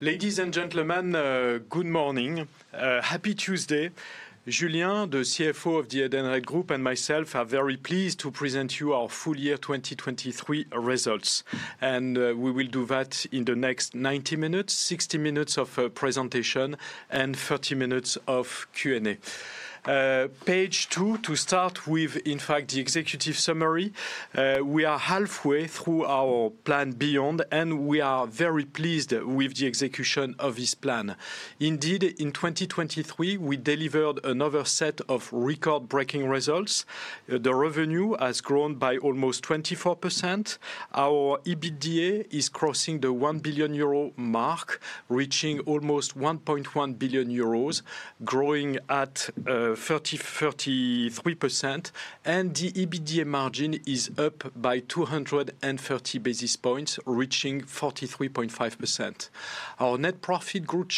Ladies and gentlemen, good morning. Happy Tuesday. Julien, the CFO of the Edenred Group, and myself are very pleased to present you our full year 2023 results. We will do that in the next 90 minutes: 60 minutes of presentation and 30 minutes of Q&A. Page two, to start with, in fact, the executive summary. We are halfway through our plan Beyond, and we are very pleased with the execution of this plan. Indeed, in 2023, we delivered another set of record-breaking results. The revenue has grown by almost 24%. Our EBITDA is crossing the 1 billion euro mark, reaching almost 1.1 billion euros, growing at 33%. And the EBITDA margin is up by 230 basis points, reaching 43.5%. Our net profit group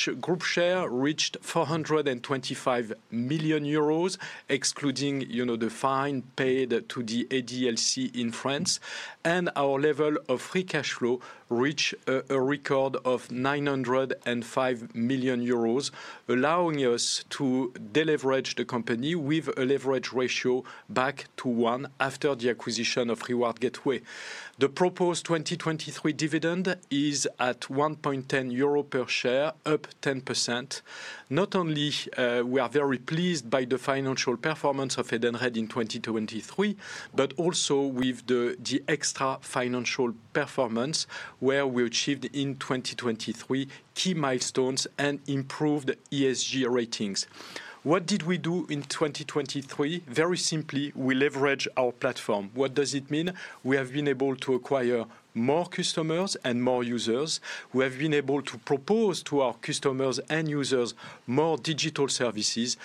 share reached 425 million euros, excluding, you know, the fine paid to the ADLC in France. Our level of free cash flow reached a record of 905 million euros, allowing us to deleverage the company with a leverage ratio back to one after the acquisition of Reward Gateway. The proposed 2023 dividend is at 1.10 euro per share, up 10%. Not only we are very pleased by the financial performance of Edenred in 2023, but also with the extra financial performance where we achieved in 2023 key milestones and improved ESG ratings. What did we do in 2023? Very simply, we leveraged our platform. What does it mean? We have been able to acquire more customers and more users. We have been able to propose to our customers and users more digital services.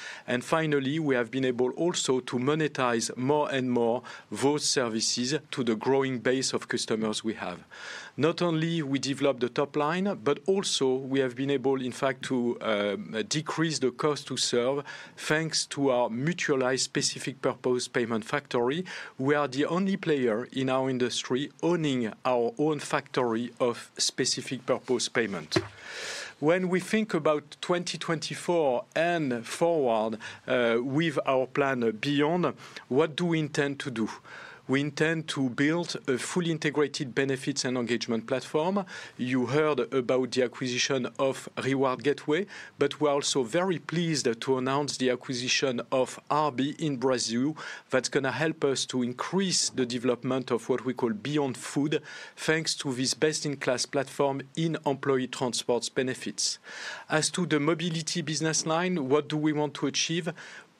Finally, we have been able also to monetize more and more those services to the growing base of customers we have. Not only we developed the top line, but also we have been able, in fact, to decrease the cost to serve, thanks to our mutualized specific purpose payment factory. We are the only player in our industry owning our own factory of specific purpose payment. When we think about 2024 and forward, with our plan Beyond, what do we intend to do? We intend to build a fully integrated benefits and engagement platform. You heard about the acquisition of Reward Gateway, but we're also very pleased to announce the acquisition of RB in Brazil. That's gonna help us to increase the development of what we call Beyond Food, thanks to this best-in-class platform in employee transports benefits. As to the mobility business line, what do we want to achieve?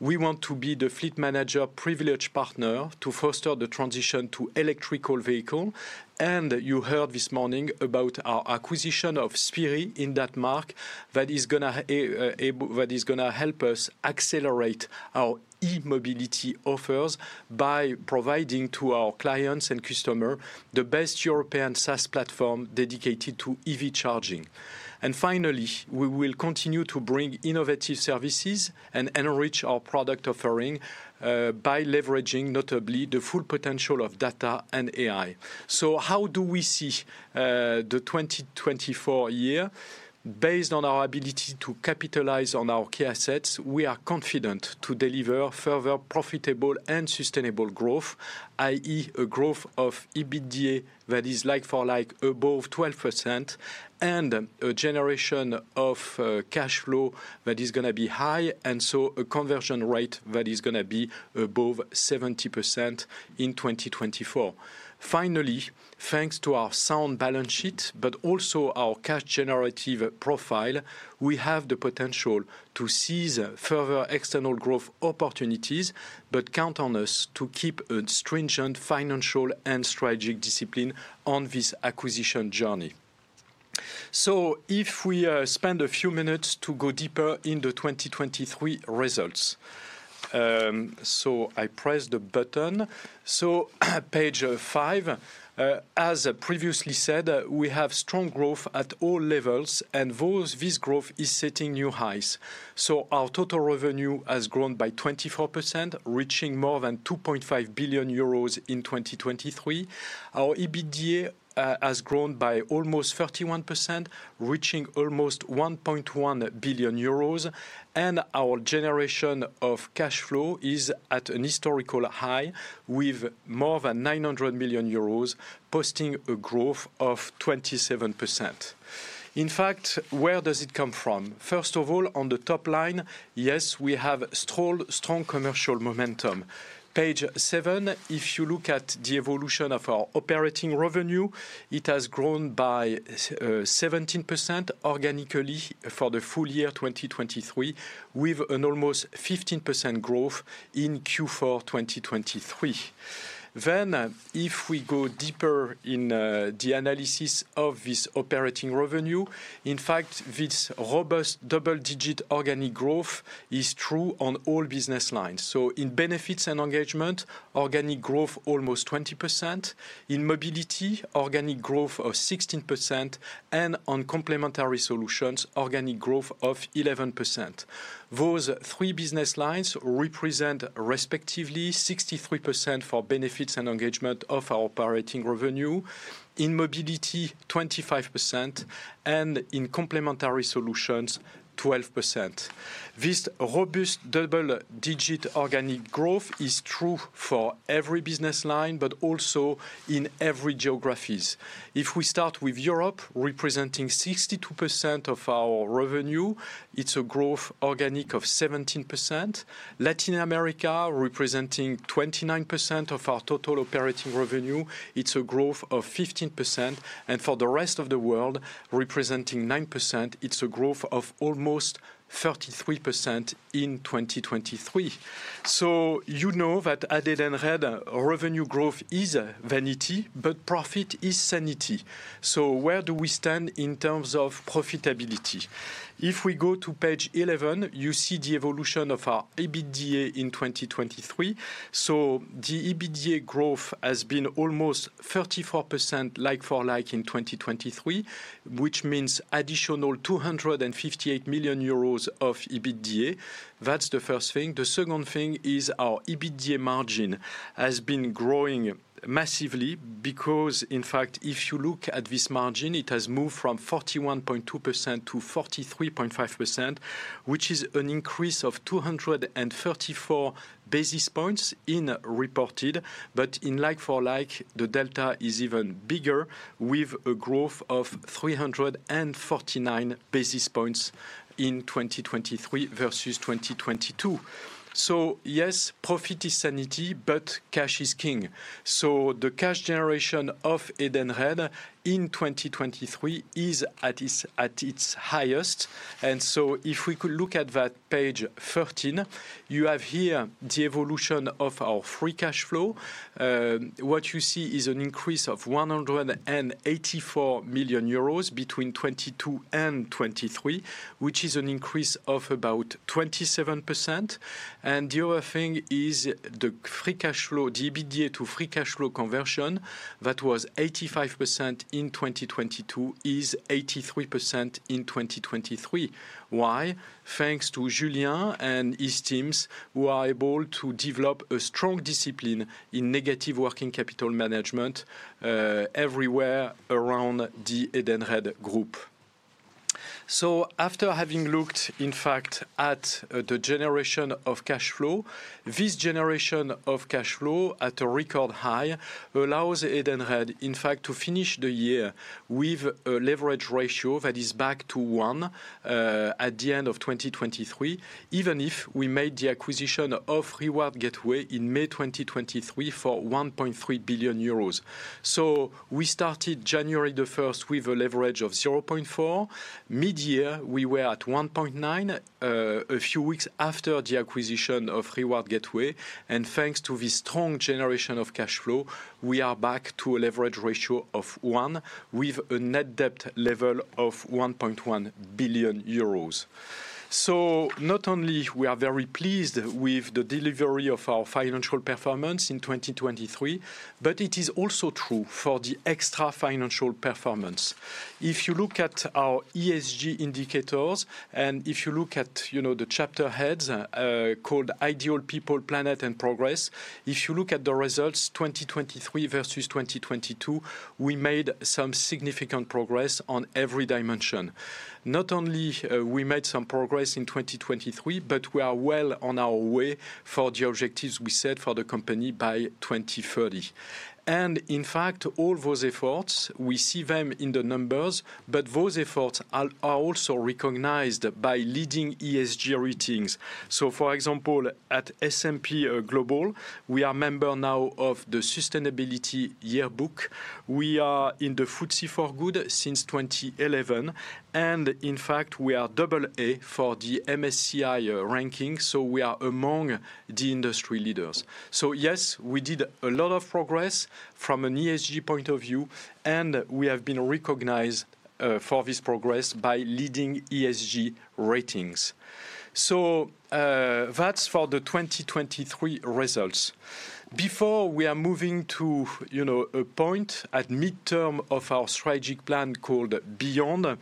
We want to be the fleet manager privileged partner to foster the transition to electric vehicle. And you heard this morning about our acquisition of Spirii in that market, that is gonna help us accelerate our e-mobility offers by providing to our clients and customer the best European SaaS platform dedicated to EV charging. And finally, we will continue to bring innovative services and enrich our product offering by leveraging notably the full potential of data and AI. So how do we see the 2024 year? Based on our ability to capitalize on our key assets, we are confident to deliver further profitable and sustainable growth, i.e., a growth of EBITDA that is like for like above 12%, and a generation of cash flow that is gonna be high, and so a conversion rate that is gonna be above 70% in 2024. Finally, thanks to our sound balance sheet, but also our cash generative profile, we have the potential to seize further external growth opportunities, but count on us to keep a stringent financial and strategic discipline on this acquisition journey. So if we spend a few minutes to go deeper in the 2023 results. So I press the button. So page 5, as previously said, we have strong growth at all levels, and this growth is setting new highs. So our total revenue has grown by 24%, reaching more than 2.5 billion euros in 2023. Our EBITDA has grown by almost 31%, reaching almost 1.1 billion euros. And our generation of cash flow is at a historical high, with more than 900 million euros, posting a growth of 27%. In fact, where does it come from? First of all, on the top line, yes, we have strong, strong commercial momentum. Page seven, if you look at the evolution of our operating revenue, it has grown by 17% organically for the full year 2023, with an almost 15% growth in Q4 2023. Then, if we go deeper in the analysis of this operating revenue, in fact, this robust double-digit organic growth is true on all business lines. So in Benefits and Engagement, organic growth almost 20%. In Mobility, organic growth of 16%, and on Complementary Solutions, organic growth of 11%. Those three business lines represent respectively 63% for Benefits and Engagement of our operating revenue. In Mobility, 25%. And in Complementary Solutions, 12%. This robust double-digit organic growth is true for every business line, but also in every geographies. If we start with Europe, representing 62% of our revenue, it's a growth organic of 17%. Latin America, representing 29% of our total operating revenue, it's a growth of 15%. And for the rest of the world, representing 9%, it's a growth of almost 33% in 2023. So you know that Edenred revenue growth is vanity, but profit is sanity. So where do we stand in terms of profitability? If we go to page 11, you see the evolution of our EBITDA in 2023. So the EBITDA growth has been almost 34% like-for-like in 2023, which means additional 258 million euros of EBITDA. That's the first thing. The second thing is our EBITDA margin has been growing massively because, in fact, if you look at this margin, it has moved from 41.2% to 43.5%, which is an increase of 234 basis points in reported. But in like-for-like, the delta is even bigger, with a growth of 349 basis points in 2023 versus 2022. So yes, profit is sanity, but cash is king. So the cash generation of Edenred in 2023 is at its, at its highest. And so if we could look at that page 13, you have here the evolution of our free cash flow. What you see is an increase of 184 million euros between 2022 and 2023, which is an increase of about 27%. And the other thing is the free cash flow, the EBITDA to free cash flow conversion, that was 85% in 2022, is 83% in 2023. Why? Thanks to Julien and his teams, who are able to develop a strong discipline in negative working capital management, everywhere around the Edenred group. So after having looked, in fact, at the generation of cash flow, this generation of cash flow at a record high allows Edenred, in fact, to finish the year with a leverage ratio that is back to 1 at the end of 2023, even if we made the acquisition of Reward Gateway in May 2023 for 1.3 billion euros. So we started January 1 with a leverage of 0.4. Midyear, we were at 1.9 a few weeks after the acquisition of Reward Gateway. And thanks to the strong generation of cash flow, we are back to a leverage ratio of 1, with a net debt level of 1.1 billion euros. So not only we are very pleased with the delivery of our financial performance in 2023, but it is also true for the extra financial performance. If you look at our ESG indicators, and if you look at, you know, the chapter heads called Ideal People, Planet, and Progress, if you look at the results, 2023 versus 2022, we made some significant progress on every dimension. Not only we made some progress in 2023, but we are well on our way for the objectives we set for the company by 2030. And in fact, all those efforts, we see them in the numbers, but those efforts are also recognized by leading ESG ratings. So, for example, at S&P Global, we are member now of the Sustainability Yearbook. We are in the FTSE4Good since 2011, and in fact, we are double A for the MSCI ranking, so we are among the industry leaders. So yes, we did a lot of progress from an ESG point of view, and we have been recognized for this progress by leading ESG ratings. That's for the 2023 results. Before we are moving to, you know, a point at midterm of our strategic plan called Beyond,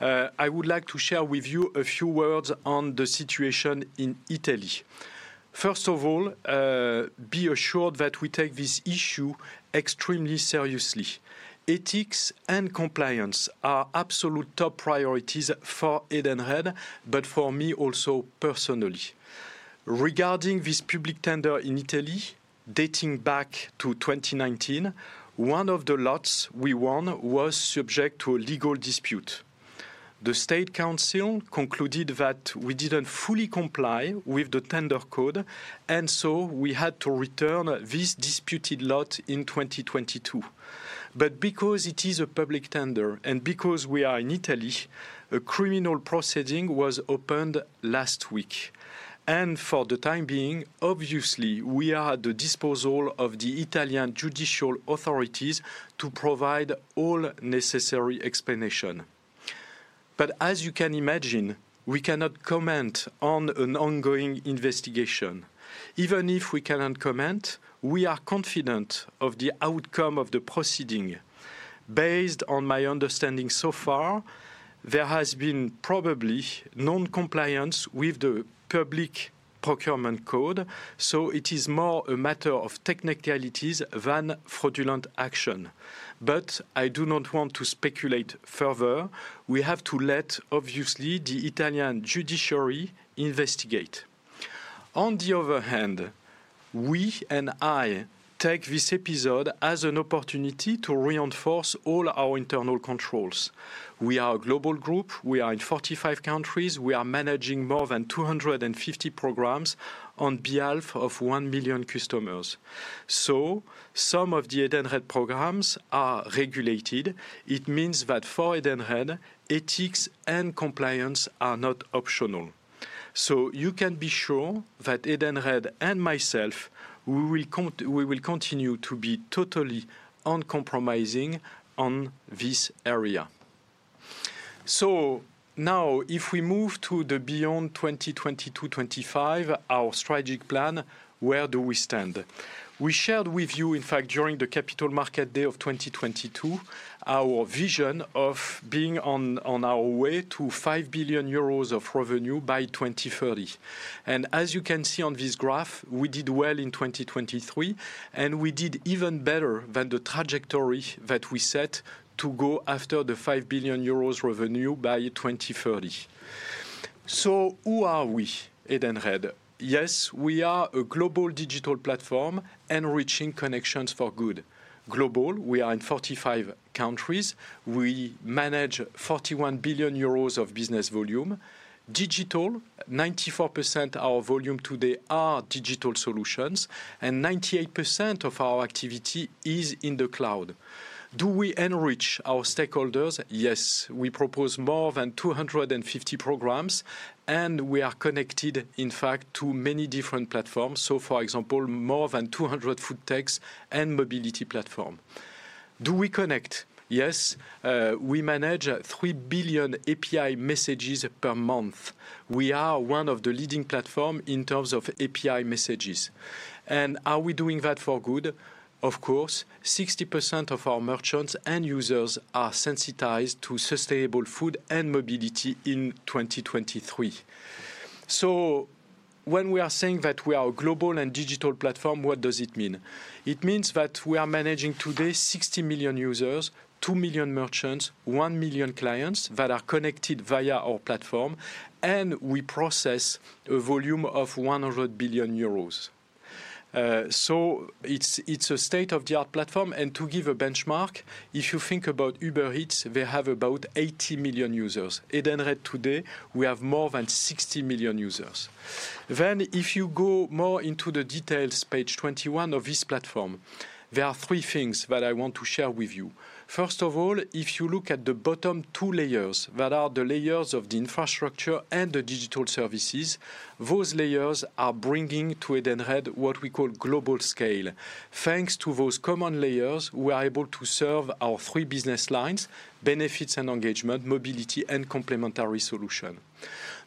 I would like to share with you a few words on the situation in Italy. First of all, be assured that we take this issue extremely seriously. Ethics and compliance are absolute top priorities for Edenred, but for me also personally. Regarding this public tender in Italy, dating back to 2019, one of the lots we won was subject to a legal dispute. The State Council concluded that we didn't fully comply with the tender code, and so we had to return this disputed lot in 2022. But because it is a public tender and because we are in Italy, a criminal proceeding was opened last week, and for the time being, obviously, we are at the disposal of the Italian judicial authorities to provide all necessary explanation. But as you can imagine, we cannot comment on an ongoing investigation. Even if we cannot comment, we are confident of the outcome of the proceeding. Based on my understanding so far, there has been probably non-compliance with the public procurement code, so it is more a matter of technicalities than fraudulent action. But I do not want to speculate further. We have to let, obviously, the Italian judiciary investigate. On the other hand, we and I take this episode as an opportunity to reinforce all our internal controls. We are a global group. We are in 45 countries. We are managing more than 250 programs on behalf of 1 million customers. So some of the Edenred programs are regulated. It means that for Edenred, ethics and compliance are not optional. So you can be sure that Edenred and myself, we will continue to be totally uncompromising on this area. So now, if we move to the Beyond 22-25, our strategic plan, where do we stand? We shared with you, in fact, during the Capital Markets Day of 2022, our vision of being on our way to 5 billion euros of revenue by 2030. And as you can see on this graph, we did well in 2023, and we did even better than the trajectory that we set to go after the 5 billion euros revenue by 2030. So who are we, Edenred? Yes, we are a global digital platform enriching connections for good. Global, we are in 45 countries. We manage 41 billion euros of business volume. Digital, 94% our volume today are digital solutions, and 98% of our activity is in the cloud. Do we enrich our stakeholders? Yes, we propose more than 250 programs, and we are connected, in fact, to many different platforms. So for example, more than 200 food techs and mobility platform. Do we connect? Yes, we manage 3 billion API messages per month. We are one of the leading platform in terms of API messages. And are we doing that for good? Of course, 60% of our merchants and users are sensitized to sustainable food and mobility in 2023. So when we are saying that we are a global and digital platform, what does it mean? It means that we are managing today 60 million users, 2 million merchants, 1 million clients that are connected via our platform, and we process a volume of 100 billion euros. So it's a state-of-the-art platform. To give a benchmark, if you think about Uber Eats, they have about 80 million users. Edenred today, we have more than 60 million users. If you go more into the details, page 21 of this platform, there are three things that I want to share with you. First of all, if you look at the bottom 2 layers, that are the layers of the infrastructure and the digital services, those layers are bringing to Edenred what we call global scale. Thanks to those common layers, we are able to serve our three business lines: benefits and engagement, mobility, and complementary solution.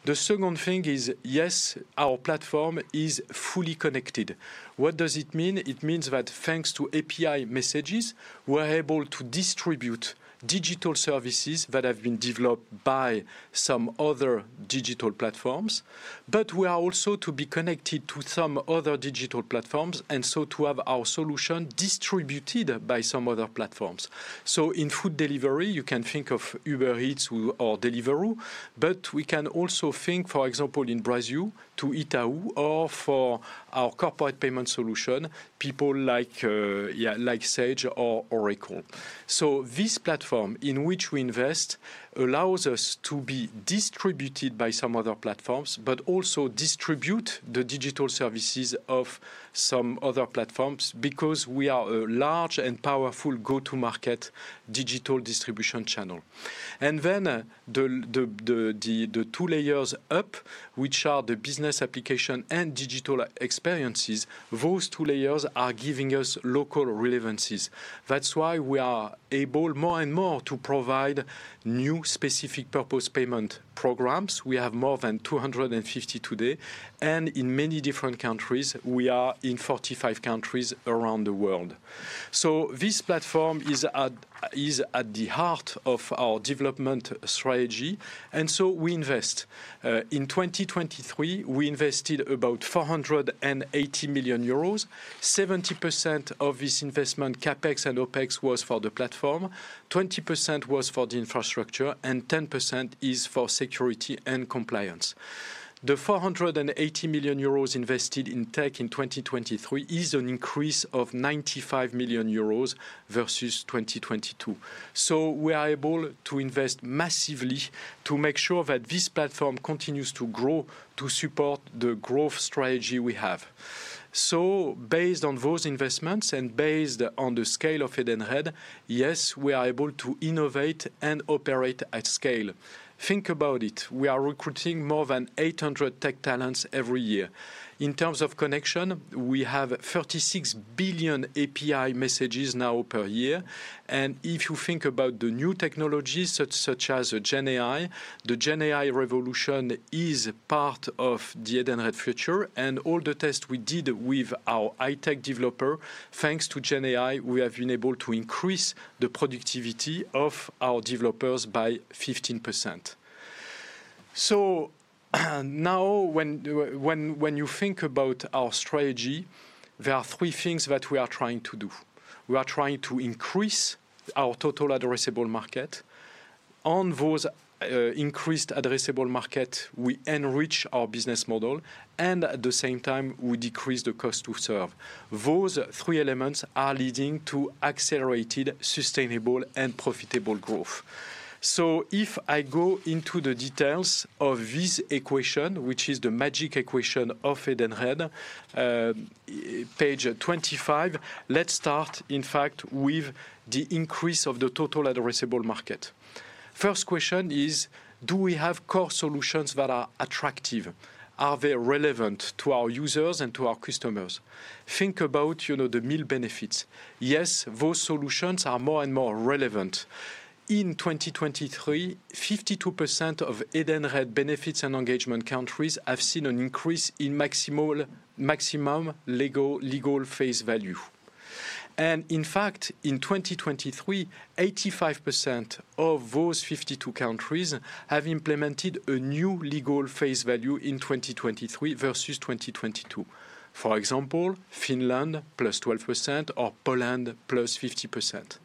The second thing is, yes, our platform is fully connected. What does it mean? It means that thanks to API messages, we're able to distribute digital services that have been developed by some other digital platforms, but we are also to be connected to some other digital platforms, and so to have our solution distributed by some other platforms. So in food delivery, you can think of Uber Eats or Deliveroo, but we can also think, for example, in Brazil, to Itaú or for our corporate payment solution, people like, like Sage or Oracle. So this platform in which we invest allows us to be distributed by some other platforms, but also distribute the digital services of some other platforms, because we are a large and powerful go-to-market digital distribution channel. And then, the two layers up, which are the business application and digital experiences, those two layers are giving us local relevancies. That's why we are able, more and more, to provide new specific purpose payment programs. We have more than 250 today, and in many different countries, we are in 45 countries around the world. So this platform is at the heart of our development strategy, and so we invest. In 2023, we invested about 480 million euros. 70% of this investment, CapEx and OpEx, was for the platform, 20% was for the infrastructure, and 10% is for security and compliance.... The 480 million euros invested in tech in 2023 is an increase of 95 million euros versus 2022. So we are able to invest massively to make sure that this platform continues to grow to support the growth strategy we have. So based on those investments and based on the scale of Edenred, yes, we are able to innovate and operate at scale. Think about it. We are recruiting more than 800 tech talents every year. In terms of connection, we have 36 billion API messages now per year, and if you think about the new technologies, such as GenAI, the GenAI revolution is part of the Edenred future and all the tests we did with our high-tech developer, thanks to GenAI, we have been able to increase the productivity of our developers by 15%. So, now, when you think about our strategy, there are three things that we are trying to do. We are trying to increase our total addressable market. On those increased addressable market, we enrich our business model, and at the same time, we decrease the cost to serve. Those three elements are leading to accelerated, sustainable, and profitable growth. So if I go into the details of this equation, which is the magic equation of Edenred, page 25, let's start, in fact, with the increase of the total addressable market. First question is: Do we have core solutions that are attractive? Are they relevant to our users and to our customers? Think about, you know, the meal benefits. Yes, those solutions are more and more relevant. In 2023, 52% of Edenred benefits and engagement countries have seen an increase in maximal, maximum legal, legal face value. And in fact, in 2023, 85% of those 52 countries have implemented a new legal face value in 2023 versus 2022. For example, Finland, plus 12%, or Poland, plus 50%.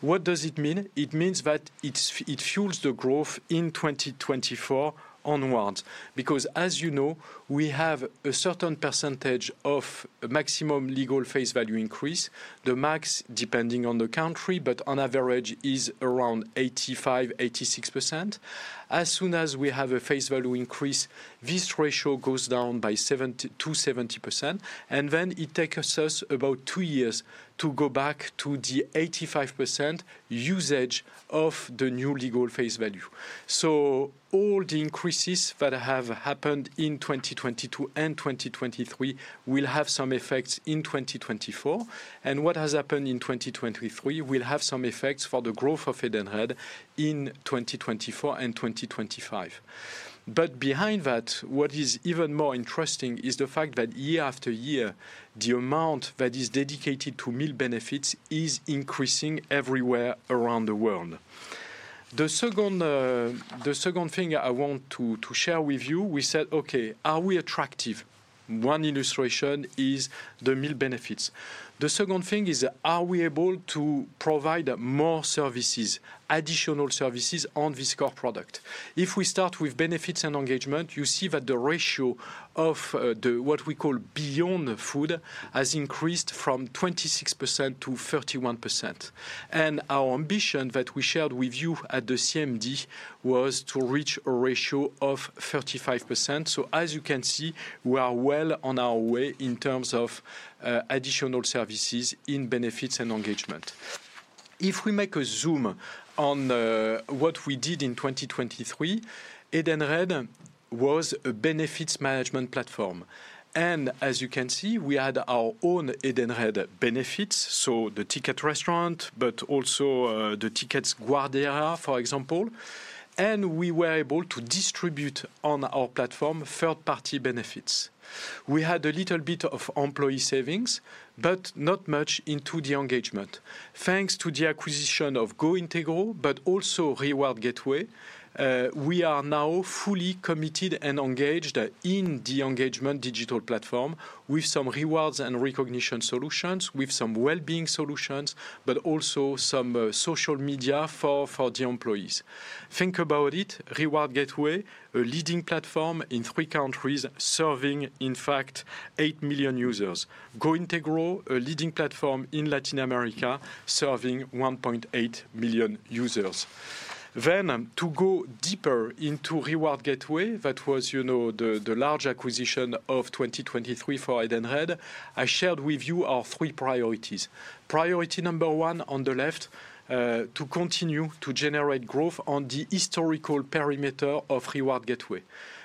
What does it mean? It means that it fuels the growth in 2024 onwards, because, as you know, we have a certain percentage of maximum legal face value increase, the max, depending on the country, but on average is around 85%, 86%. As soon as we have a face value increase, this ratio goes down to 70%, and then it takes us about two years to go back to the 85% usage of the new legal face value. So all the increases that have happened in 2022 and 2023 will have some effects in 2024, and what has happened in 2023 will have some effects for the growth of Edenred in 2024 and 2025. But behind that, what is even more interesting is the fact that year after year, the amount that is dedicated to meal benefits is increasing everywhere around the world. The second, the second thing I want to, to share with you, we said, "Okay, are we attractive?" One illustration is the meal benefits. The second thing is: Are we able to provide more services, additional services, on this core product? If we start with benefits and engagement, you see that the ratio of, the, what we call Beyond Food, has increased from 26% to 31%. And our ambition that we shared with you at the CMD was to reach a ratio of 35%. So as you can see, we are well on our way in terms of, additional services in benefits and engagement. If we make a zoom on what we did in 2023, Edenred was a benefits management platform, and as you can see, we had our own Edenred benefits, so the Ticket Restaurant, but also the Ticket Guardería, for example, and we were able to distribute on our platform third-party benefits. We had a little bit of employee savings, but not much into the engagement. Thanks to the acquisition of GOintegro, but also Reward Gateway, we are now fully committed and engaged in the engagement digital platform with some rewards and recognition solutions, with some well-being solutions, but also some social media for the employees. Think about it, Reward Gateway, a leading platform in 3 countries, serving, in fact, 8 million users. GOintegro, a leading platform in Latin America, serving 1.8 million users.... Then, to go deeper into Reward Gateway, that was, you know, the large acquisition of 2023 for Edenred. I shared with you our three priorities. Priority number one on the left, to continue to generate growth on the historical perimeter of Reward Gateway.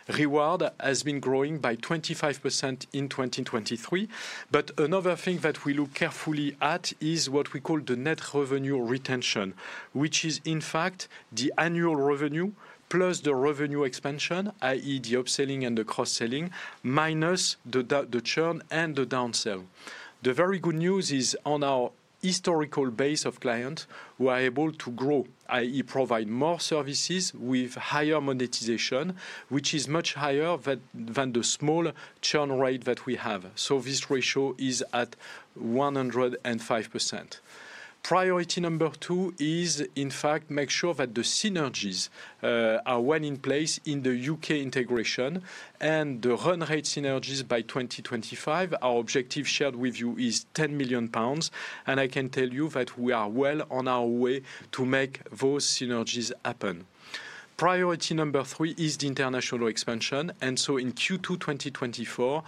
Reward has been growing by 25% in 2023, but another thing that we look carefully at is what we call the Net Revenue Retention, which is in fact the annual revenue plus the revenue expansion, i.e., the upselling and the cross-selling, minus the churn and the downsell. The very good news is on our historical base of clients, we are able to grow, i.e., provide more services with higher monetization, which is much higher than the small churn rate that we have. So this ratio is at 105%. Priority number two is, in fact, make sure that the synergies are well in place in the UK integration and the run rate synergies by 2025. Our objective shared with you is 10 million pounds, and I can tell you that we are well on our way to make those synergies happen. Priority number three is the international expansion, and so in Q2 2024,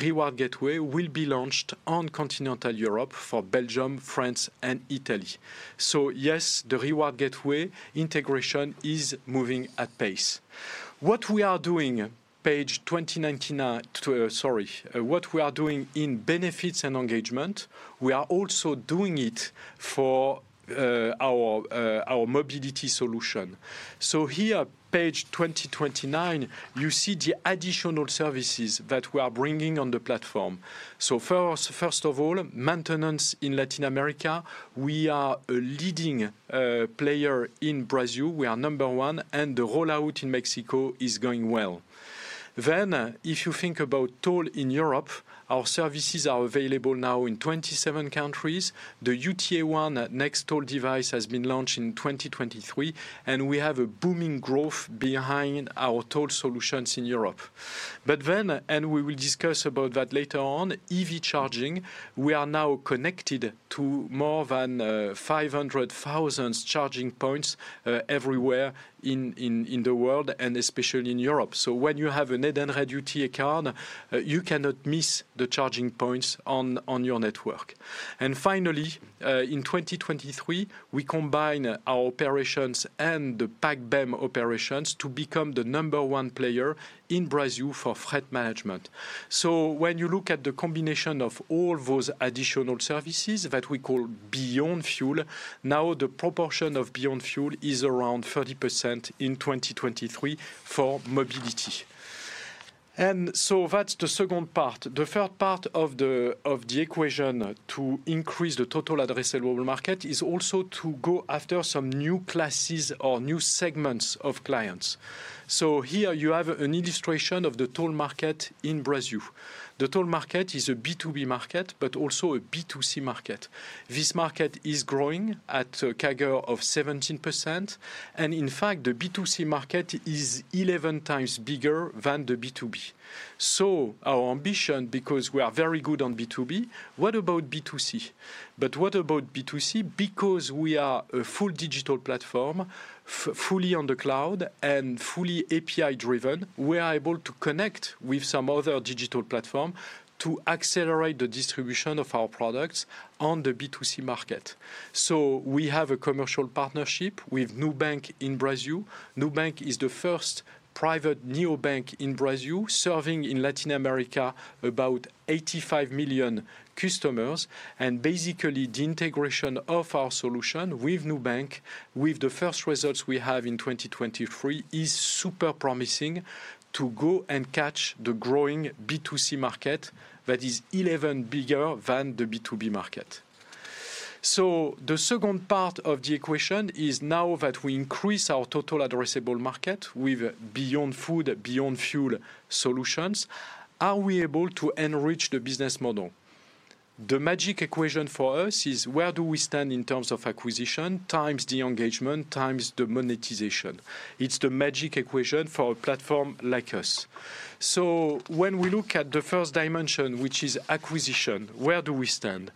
Reward Gateway will be launched on continental Europe for Belgium, France, and Italy. So yes, the Reward Gateway integration is moving at pace. What we are doing, page 29—sorry. What we are doing in benefits and engagement, we are also doing it for our mobility solution. So here, page 29, you see the additional services that we are bringing on the platform. So first, first of all, maintenance in Latin America, we are a leading player in Brazil. We are number one, and the rollout in Mexico is going well. Then, if you think about toll in Europe, our services are available now in 27 countries. The UTA One next toll device has been launched in 2023, and we have a booming growth behind our toll solutions in Europe. But then, and we will discuss about that later on, EV charging, we are now connected to more than 500,000 charging points everywhere in the world and especially in Europe. So when you have an Edenred UTA card, you cannot miss the charging points on your network. And finally, in 2023, we combine our operations and the PagBem operations to become the number one player in Brazil for freight management. So when you look at the combination of all those additional services that we call Beyond Fuel, now the proportion of Beyond Fuel is around 30% in 2023 for mobility. And so that's the second part. The third part of the equation to increase the total addressable market is also to go after some new classes or new segments of clients. So here you have an illustration of the toll market in Brazil. The toll market is a B2B market, but also a B2C market. This market is growing at a CAGR of 17%, and in fact, the B2C market is 11 times bigger than the B2B. So our ambition, because we are very good on B2B, what about B2C? But what about B2C? Because we are a full digital platform, fully on the cloud and fully API-driven, we are able to connect with some other digital platform to accelerate the distribution of our products on the B2C market. So we have a commercial partnership with Nubank in Brazil. Nubank is the first private neobank in Brazil, serving in Latin America, about 85 million customers. And basically, the integration of our solution with Nubank, with the first results we have in 2023, is super promising to go and catch the growing B2C market that is 11 bigger than the B2B market. So the second part of the equation is now that we increase our total addressable market with Beyond Food, Beyond Fuel solutions, are we able to enrich the business model? The magic equation for us is where do we stand in terms of acquisition, times the engagement, times the monetization? It's the magic equation for a platform like us. So when we look at the first dimension, which is acquisition, where do we stand?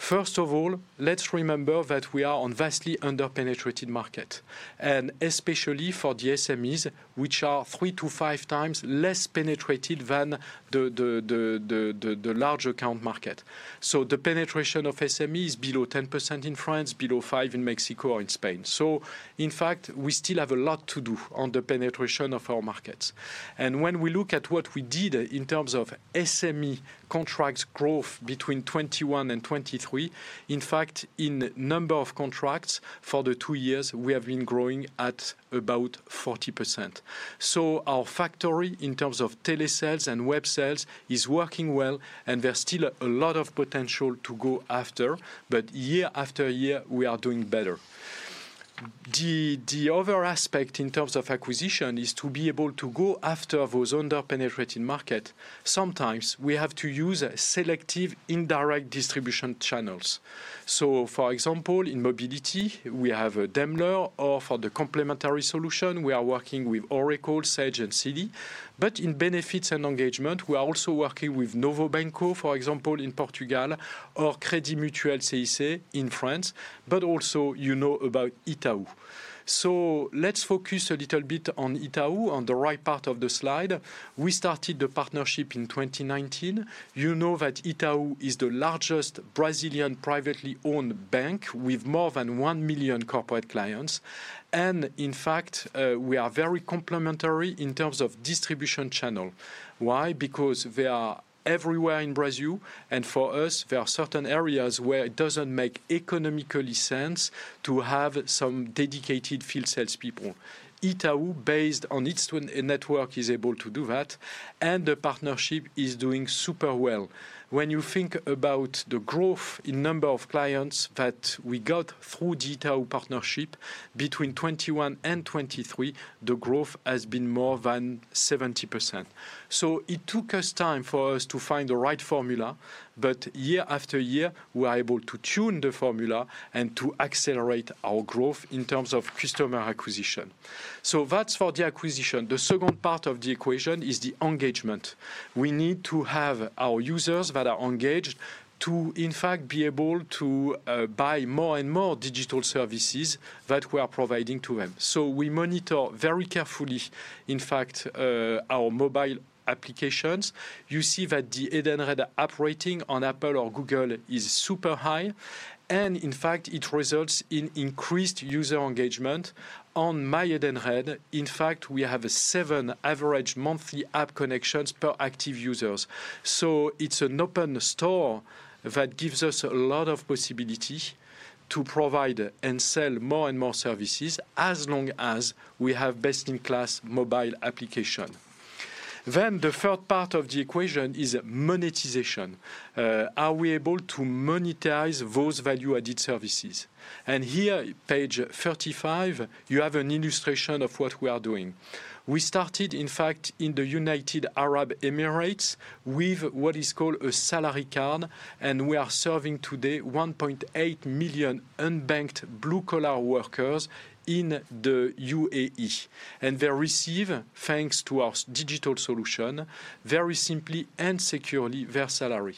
First of all, let's remember that we are on vastly under-penetrated market, and especially for the SMEs, which are 3x-5x less penetrated than the large account market. So the penetration of SMEs below 10% in France, below 5% in Mexico or in Spain. So in fact, we still have a lot to do on the penetration of our markets. And when we look at what we did in terms of SME contracts growth between 2021 and 2023, in fact, in number of contracts for the two years, we have been growing at about 40%. So our factory, in terms of telesales and web sales, is working well, and there's still a lot of potential to go after, but year after year, we are doing better. The other aspect in terms of acquisition is to be able to go after those under-penetrated market.... Sometimes we have to use selective indirect distribution channels. So for example, in mobility, we have a Daimler, or for the complementary solution, we are working with Oracle, Sage, and Silae. But in benefits and engagement, we are also working with Novo Banco, for example, in Portugal or Crédit Mutuel CIC in France, but also you know about Itaú. So let's focus a little bit on Itaú, on the right part of the slide. We started the partnership in 2019. You know that Itaú is the largest Brazilian privately-owned bank, with more than 1 million corporate clients. In fact, we are very complementary in terms of distribution channel. Why? Because they are everywhere in Brazil, and for us, there are certain areas where it doesn't make economically sense to have some dedicated field sales people. Itaú, based on its own network, is able to do that, and the partnership is doing super well. When you think about the growth in number of clients that we got through the Itaú partnership, between 2021 and 2023, the growth has been more than 70%. So it took us time for us to find the right formula, but year after year, we are able to tune the formula and to accelerate our growth in terms of customer acquisition. So that's for the acquisition. The second part of the equation is the engagement. We need to have our users that are engaged to, in fact, be able to, buy more and more digital services that we are providing to them. So we monitor very carefully, in fact, our mobile applications. You see that the Edenred app rating on Apple or Google is super high, and in fact, it results in increased user engagement. On MyEdenred, in fact, we have a 7 average monthly app connections per active users. So it's an open store that gives us a lot of possibility to provide and sell more and more services, as long as we have best-in-class mobile application. Then the third part of the equation is monetization. Are we able to monetize those value-added services? And here, page 35, you have an illustration of what we are doing. We started, in fact, in the United Arab Emirates with what is called a salary card, and we are serving today 1.8 million unbanked blue-collar workers in the UAE. They receive, thanks to our digital solution, very simply and securely, their salary.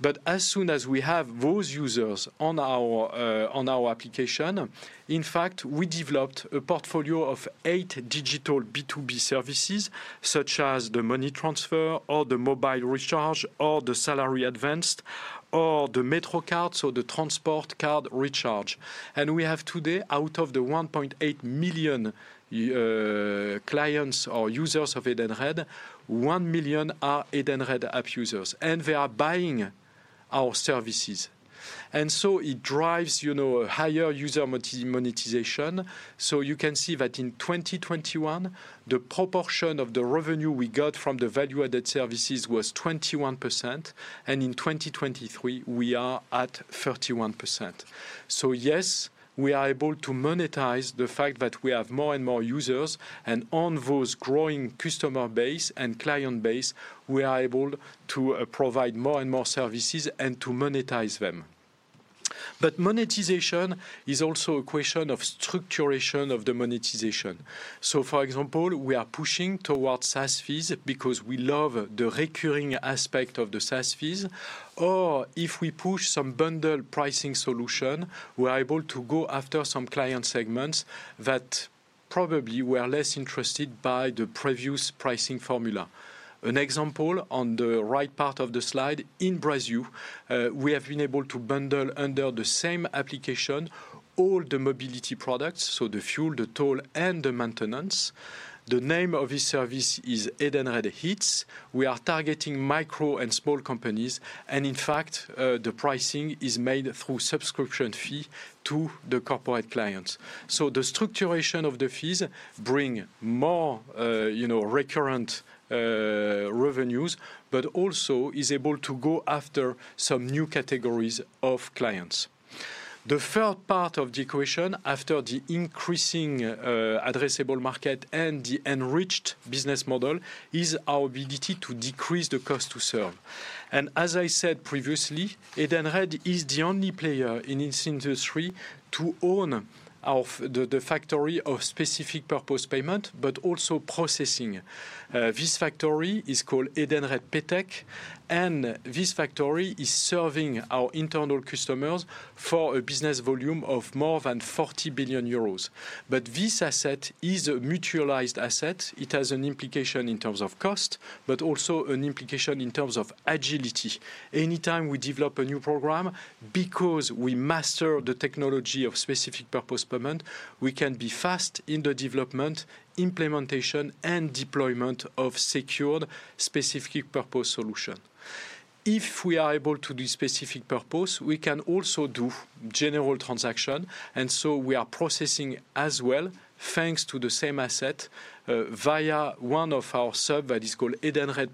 But as soon as we have those users on our on our application, in fact, we developed a portfolio of 8 digital B2B services, such as the money transfer or the mobile recharge or the salary advanced or the metro card, so the transport card recharge. We have today, out of the 1.8 million, clients or users of Edenred, 1 million are Edenred app users, and they are buying our services. So it drives, you know, a higher user monetization. So you can see that in 2021, the proportion of the revenue we got from the value-added services was 21%, and in 2023, we are at 31%. So yes, we are able to monetize the fact that we have more and more users, and on those growing customer base and client base, we are able to provide more and more services and to monetize them. But monetization is also a question of structuration of the monetization. So for example, we are pushing towards SaaS fees because we love the recurring aspect of the SaaS fees. Or if we push some bundle pricing solution, we are able to go after some client segments that probably were less interested by the previous pricing formula. An example, on the right part of the slide, in Brazil, we have been able to bundle under the same application all the mobility products, so the fuel, the toll, and the maintenance. The name of this service is Edenred Hits. We are targeting micro and small companies, and in fact, the pricing is made through subscription fee to the corporate clients. So the structuration of the fees bring more, you know, recurrent revenues, but also is able to go after some new categories of clients. The third part of the equation, after the increasing addressable market and the enriched business model, is our ability to decrease the cost to serve. And as I said previously, Edenred is the only player in this industry to own the factory of specific purpose payment, but also processing. This factory is called Edenred Paytech, and this factory is serving our internal customers for a business volume of more than 40 billion euros. But this asset is a mutualized asset. It has an implication in terms of cost, but also an implication in terms of agility. Anytime we develop a new program, because we master the technology of specific purpose payment, we can be fast in the development, implementation, and deployment of secured specific-purpose solution. If we are able to do specific purpose, we can also do general transaction, and so we are processing as well, thanks to the same asset, via one of our sub that is called Edenred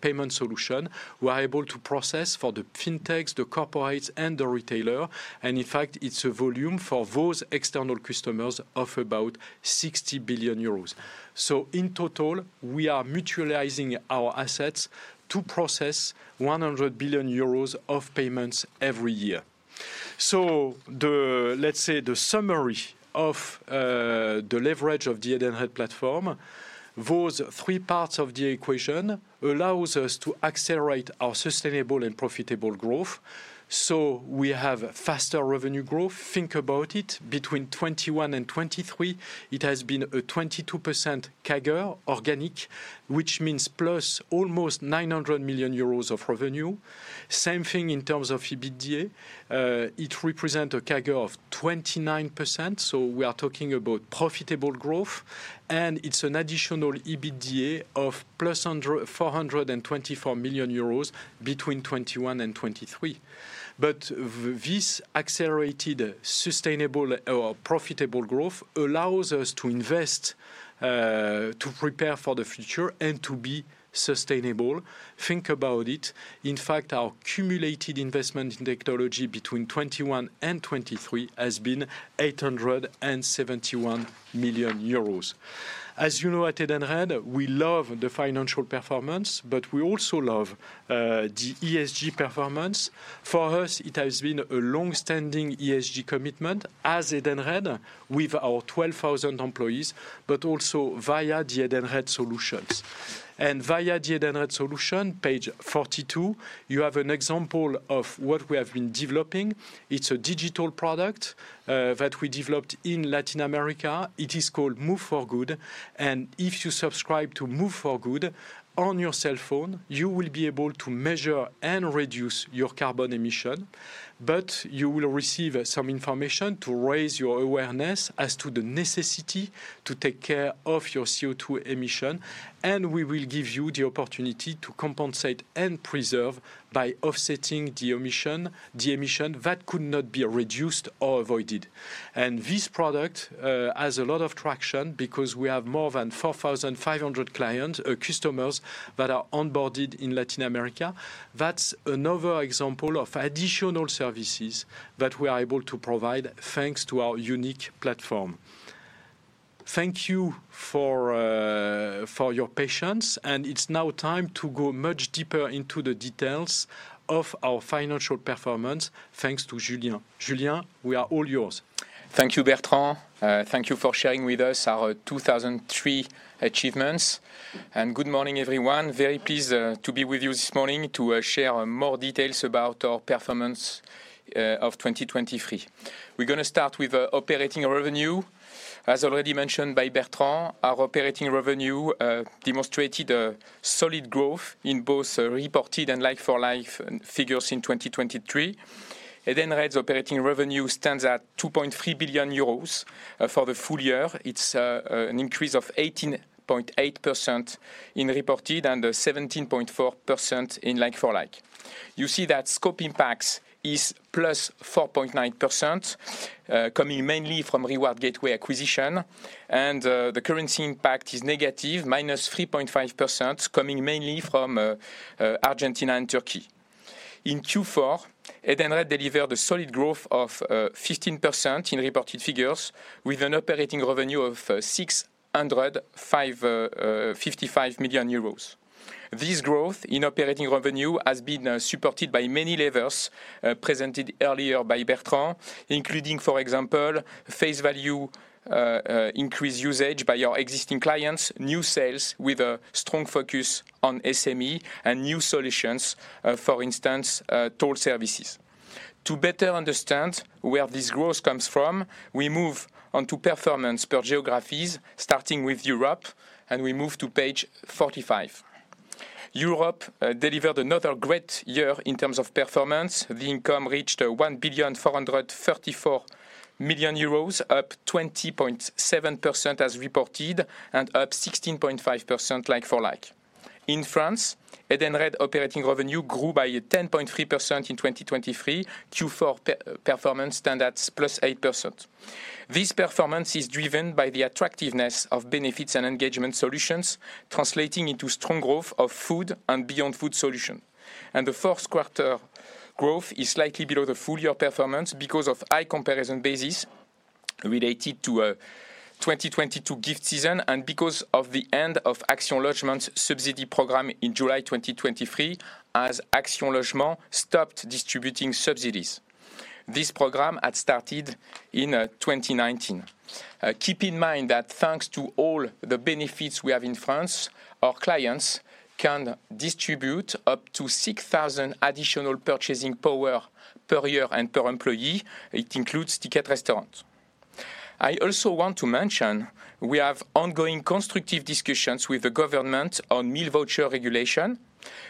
Payment Solutions. We are able to process for the fintechs, the corporates, and the retailer, and in fact, it's a volume for those external customers of about 60 billion euros. So in total, we are mutualizing our assets to process 100 billion euros of payments every year. So the, let's say, the summary of the leverage of the Edenred platform, those three parts of the equation allows us to accelerate our sustainable and profitable growth. So we have faster revenue growth. Think about it, between 2021 and 2023, it has been a 22% CAGR organic, which means plus almost 900 million euros of revenue. Same thing in terms of EBITDA. It represent a CAGR of 29%, so we are talking about profitable growth, and it's an additional EBITDA of plus 424 million euros between 2021 and 2023. But this accelerated sustainable or profitable growth allows us to invest, to prepare for the future and to be sustainable. Think about it. In fact, our cumulated investment in technology between 2021 and 2023 has been 871 million euros. As you know, at Edenred, we love the financial performance, but we also love the ESG performance. For us, it has been a long-standing ESG commitment as Edenred with our 12,000 employees, but also via the Edenred solutions. Via the Edenred solution, page 42, you have an example of what we have been developing. It's a digital product that we developed in Latin America. It is called Move for Good, and if you subscribe to Move for Good on your cell phone, you will be able to measure and reduce your carbon emission. But you will receive, some information to raise your awareness as to the necessity to take care of your CO2 emission, and we will give you the opportunity to compensate and preserve by offsetting the emission, the emission that could not be reduced or avoided. And this product, has a lot of traction because we have more than 4,500 client, customers that are onboarded in Latin America. That's another example of additional services that we are able to provide, thanks to our unique platform. Thank you for, for your patience, and it's now time to go much deeper into the details of our financial performance. Thanks to Julien. Julien, we are all yours. Thank you, Bertrand. Thank you for sharing with us our 2023 achievements, and good morning, everyone. Very pleased to be with you this morning to share more details about our performance of 2023. We're gonna start with operating revenue. As already mentioned by Bertrand, our operating revenue demonstrated a solid growth in both reported and like-for-like figures in 2023. Edenred's operating revenue stands at 2.3 billion euros. For the full year, it's an increase of 18.8% in reported and 17.4% in like-for-like. You see that scope impacts is +4.9%, coming mainly from Reward Gateway acquisition, and the currency impact is negative, -3.5%, coming mainly from Argentina and Turkey. In Q4, Edenred delivered a solid growth of 15% in reported figures, with an operating revenue of 605.55 million euros. This growth in operating revenue has been supported by many levels presented earlier by Bertrand, including, for example, face value increased usage by our existing clients, new sales with a strong focus on SME and new solutions for instance toll services. To better understand where this growth comes from, we move on to performance per geographies, starting with Europe, and we move to page 45. Europe delivered another great year in terms of performance. The income reached 1,434 million euros, up 20.7% as reported and up 16.5% like for like. In France, Edenred operating revenue grew by 10.3% in 2023. Q4 performance stands at +8%. This performance is driven by the attractiveness of benefits and engagement solutions, translating into strong growth of food and Beyond Food solution. The first quarter growth is slightly below the full year performance because of high comparison basis related to twenty twenty-two gift season and because of the end of Action Logement subsidy program in July 2023, as Action Logement stopped distributing subsidies. This program had started in 2019. Keep in mind that thanks to all the benefits we have in France, our clients can distribute up to 6,000 additional purchasing power per year and per employee. It includes Ticket Restaurant. I also want to mention, we have ongoing constructive discussions with the government on meal voucher regulation.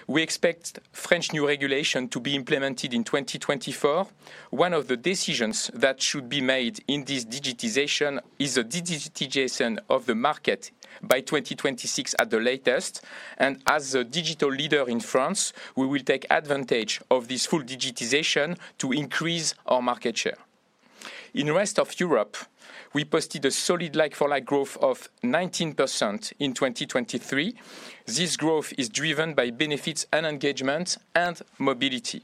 We expect French new regulation to be implemented in 2024. One of the decisions that should be made in this digitization is the digitization of the market by 2026 at the latest, and as a digital leader in France, we will take advantage of this full digitization to increase our market share. In the rest of Europe, we posted a solid like-for-like growth of 19% in 2023. This growth is driven by benefits and engagement and mobility.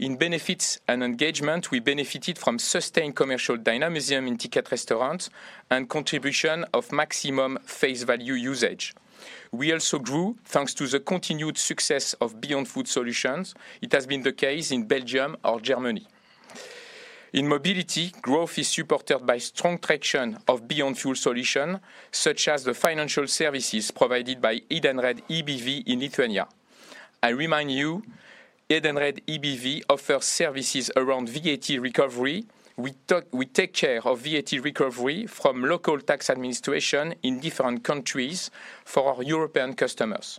In benefits and engagement, we benefited from sustained commercial dynamism in Ticket Restaurant and contribution of maximum face value usage. We also grew thanks to the continued success of Beyond Food Solutions. It has been the case in Belgium or Germany.... In mobility, growth is supported by strong traction of beyond fuel solution, such as the financial services provided by Edenred EBV in Lithuania. I remind you, Edenred EBV offers services around VAT recovery. We take care of VAT recovery from local tax administration in different countries for our European customers.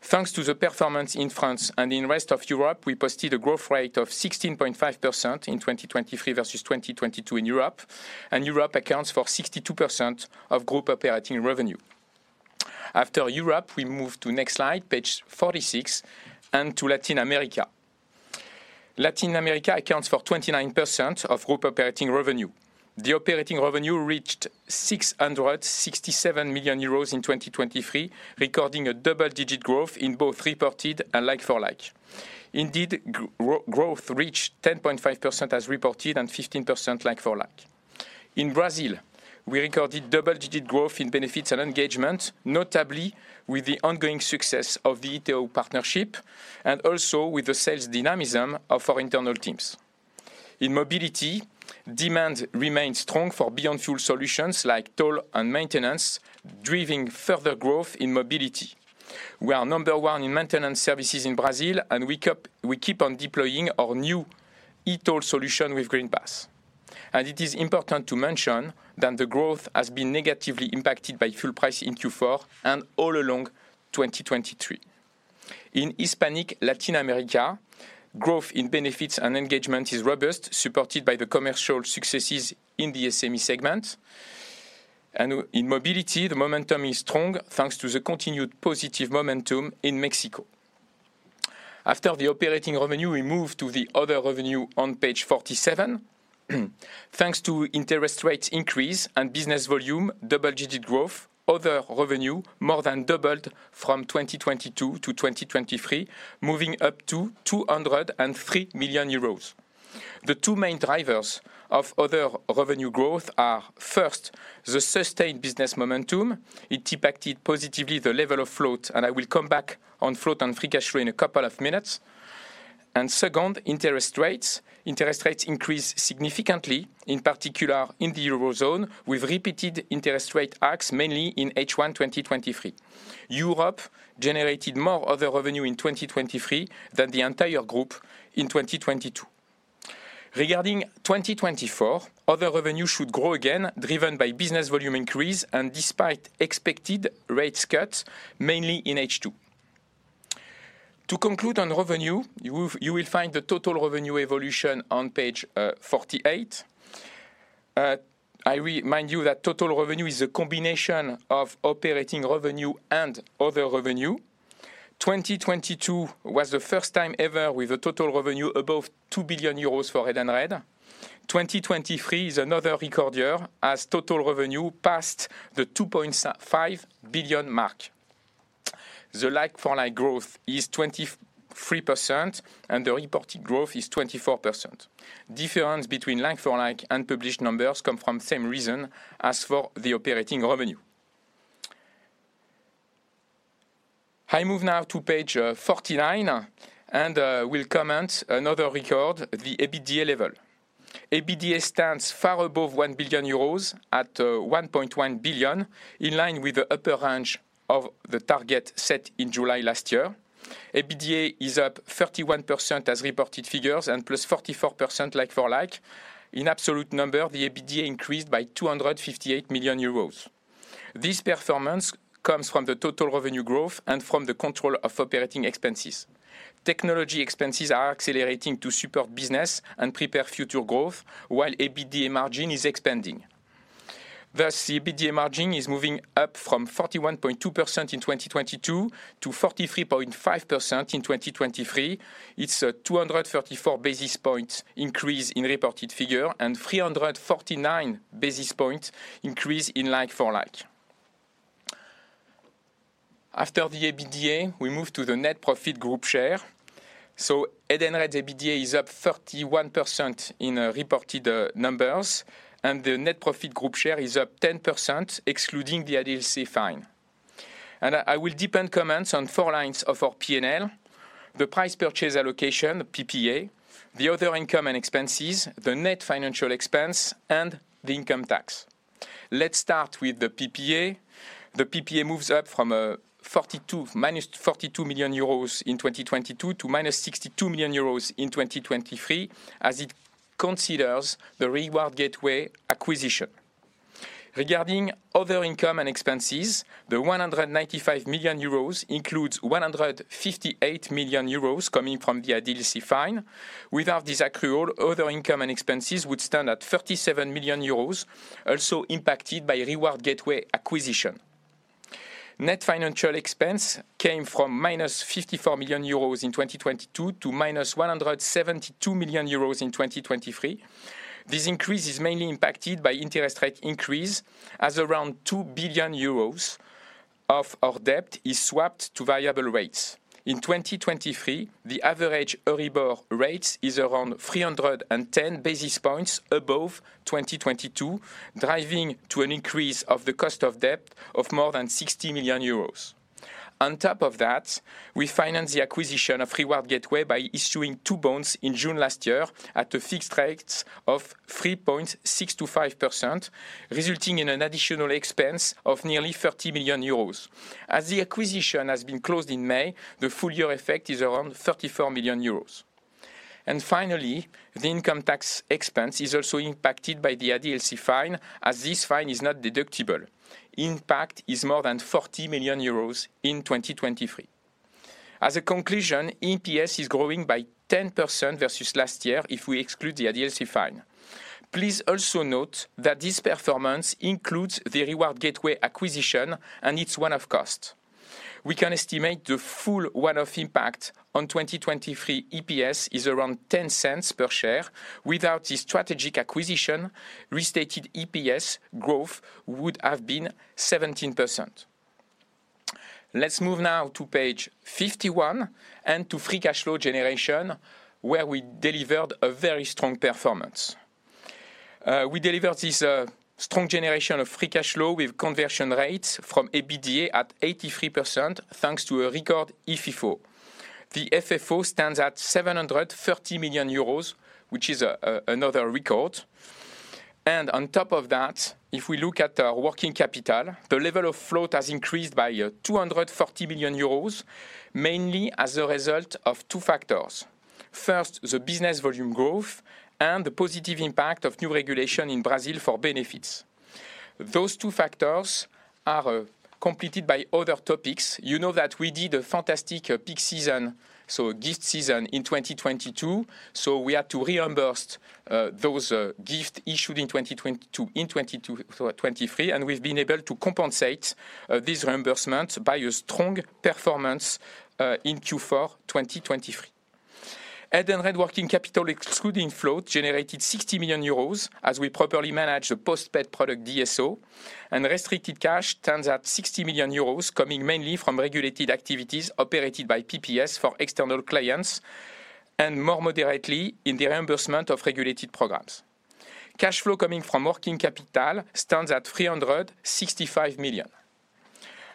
Thanks to the performance in France and in rest of Europe, we posted a growth rate of 16.5% in 2023 versus 2022 in Europe, and Europe accounts for 62% of group operating revenue. After Europe, we move to next slide, page 46, and to Latin America. Latin America accounts for 29% of group operating revenue. The operating revenue reached 667 million euros in 2023, recording a double-digit growth in both reported and like-for-like. Indeed, growth reached 10.5% as reported, and 15% like-for-like. In Brazil, we recorded double-digit growth in benefits and engagement, notably with the ongoing success of the Itaú partnership, and also with the sales dynamism of our internal teams. In mobility, demand remains strong for beyond fuel solutions like toll and maintenance, driving further growth in mobility. We are number one in maintenance services in Brazil, and we keep on deploying our new e-toll solution with Greenpass. It is important to mention that the growth has been negatively impacted by fuel price in Q4 and all along 2023. In Hispanic Latin America, growth in benefits and engagement is robust, supported by the commercial successes in the SME segment. In mobility, the momentum is strong, thanks to the continued positive momentum in Mexico. After the operating revenue, we move to the other revenue on page 47. Thanks to interest rates increase and business volume, double-digit growth, other revenue more than doubled from 2022 to 2023, moving up to 203 million euros. The two main drivers of other revenue growth are, first, the sustained business momentum. It impacted positively the level of float, and I will come back on float and free cash flow in a couple of minutes. And second, interest rates. Interest rates increased significantly, in particular in the Eurozone, with repeated interest rate hikes, mainly in H1 2023. Europe generated more other revenue in 2023 than the entire group in 2022. Regarding 2024, other revenue should grow again, driven by business volume increase and despite expected rate cuts, mainly in H2. To conclude on revenue, you will find the total revenue evolution on page 48. I remind you that total revenue is a combination of operating revenue and other revenue. 2022 was the first time ever with a total revenue above 2 billion euros for Edenred. 2023 is another record year, as total revenue passed the 2.5 billion mark. The like-for-like growth is 23%, and the reported growth is 24%. Difference between like-for-like and published numbers come from same reason as for the operating revenue. I move now to page 49, and we'll comment another record at the EBITDA level. EBITDA stands far above 1 billion euros at 1.1 billion, in line with the upper range of the target set in July last year. EBITDA is up 31% as reported figures and plus 44% like-for-like. In absolute number, the EBITDA increased by 258 million euros. This performance comes from the total revenue growth and from the control of operating expenses. Technology expenses are accelerating to support business and prepare future growth, while EBITDA margin is expanding. Thus, the EBITDA margin is moving up from 41.2% in 2022 to 43.5% in 2023. It's a 234 basis points increase in reported figure, and 349 basis points increase in like-for-like. After the EBITDA, we move to the net profit group share. So Edenred EBITDA is up 31% in reported numbers, and the net profit group share is up 10%, excluding the ADLC fine. I will deepen comments on four lines of our P&L: the purchase price allocation, PPA, the other income and expenses, the net financial expense, and the income tax. Let's start with the PPA. The PPA moves up from minus 42 million euros in 2022 to minus 62 million euros in 2023, as it considers the Reward Gateway acquisition. Regarding other income and expenses, the 195 million euros includes 158 million euros coming from the ADLC fine. Without this accrual, other income and expenses would stand at 37 million euros, also impacted by Reward Gateway acquisition. Net financial expense came from minus 54 million euros in 2022 to minus 172 million euros in 2023. This increase is mainly impacted by interest rate increase as around 2 billion euros of our debt is swapped to variable rates. In 2023, the average EURIBOR rates is around 310 basis points above 2022, driving to an increase of the cost of debt of more than 60 million euros. On top of that, we financed the acquisition of Reward Gateway by issuing 2 bonds in June last year at a fixed rate of 3.6%-5%, resulting in an additional expense of nearly 30 million euros. As the acquisition has been closed in May, the full year effect is around 34 million euros. And finally, the income tax expense is also impacted by the ADLC fine, as this fine is not deductible. Impact is more than 40 million euros in 2023. As a conclusion, EPS is growing by 10% versus last year if we exclude the ADLC fine. Please also note that this performance includes the Reward Gateway acquisition and its one-off cost. We can estimate the full one-off impact on 2023 EPS is around 0.10 per share. Without this strategic acquisition, restated EPS growth would have been 17%. Let's move now to page 51 and to free cash flow generation, where we delivered a very strong performance. We delivered this strong generation of free cash flow with conversion rates from EBITDA at 83%, thanks to a record FFO. The FFO stands at 730 million euros, which is another record. And on top of that, if we look at our working capital, the level of float has increased by 240 million euros, mainly as a result of two factors: First, the business volume growth and the positive impact of new regulation in Brazil for benefits. Those two factors are completed by other topics. You know that we did a fantastic, peak season, so gift season in 2022, so we had to reimburse, those, gifts issued in 2022, in 2022, 2023, and we've been able to compensate, this reimbursement by a strong performance, in Q4 2023. Net working capital, excluding float, generated 60 million euros, as we properly managed the post-paid product DSO. Restricted cash stands at 60 million euros, coming mainly from regulated activities operated by PPS for external clients, and more moderately in the reimbursement of regulated programs. Cash flow coming from working capital stands at 365 million.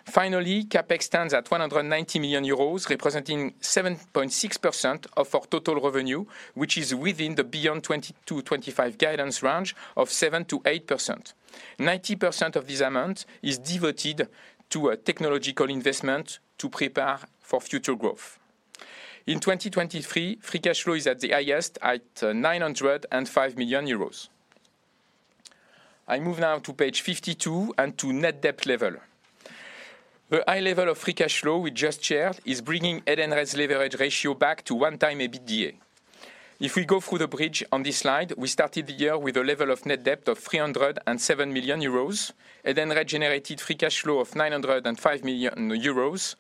Finally, CapEx stands at 190 million euros, representing 7.6% of our total revenue, which is within the Beyond22-25 guidance range of 7%-8%. 90% of this amount is devoted to a technological investment to prepare for future growth. In 2023, free cash flow is at the highest, at 905 million euros. I move now to page 52 and to net debt level. The high level of free cash flow we just shared is bringing our leverage ratio back to 1x EBITDA. If we go through the bridge on this slide, we started the year with a level of net debt of 307 million euros, and then generated free cash flow of 905 million euros.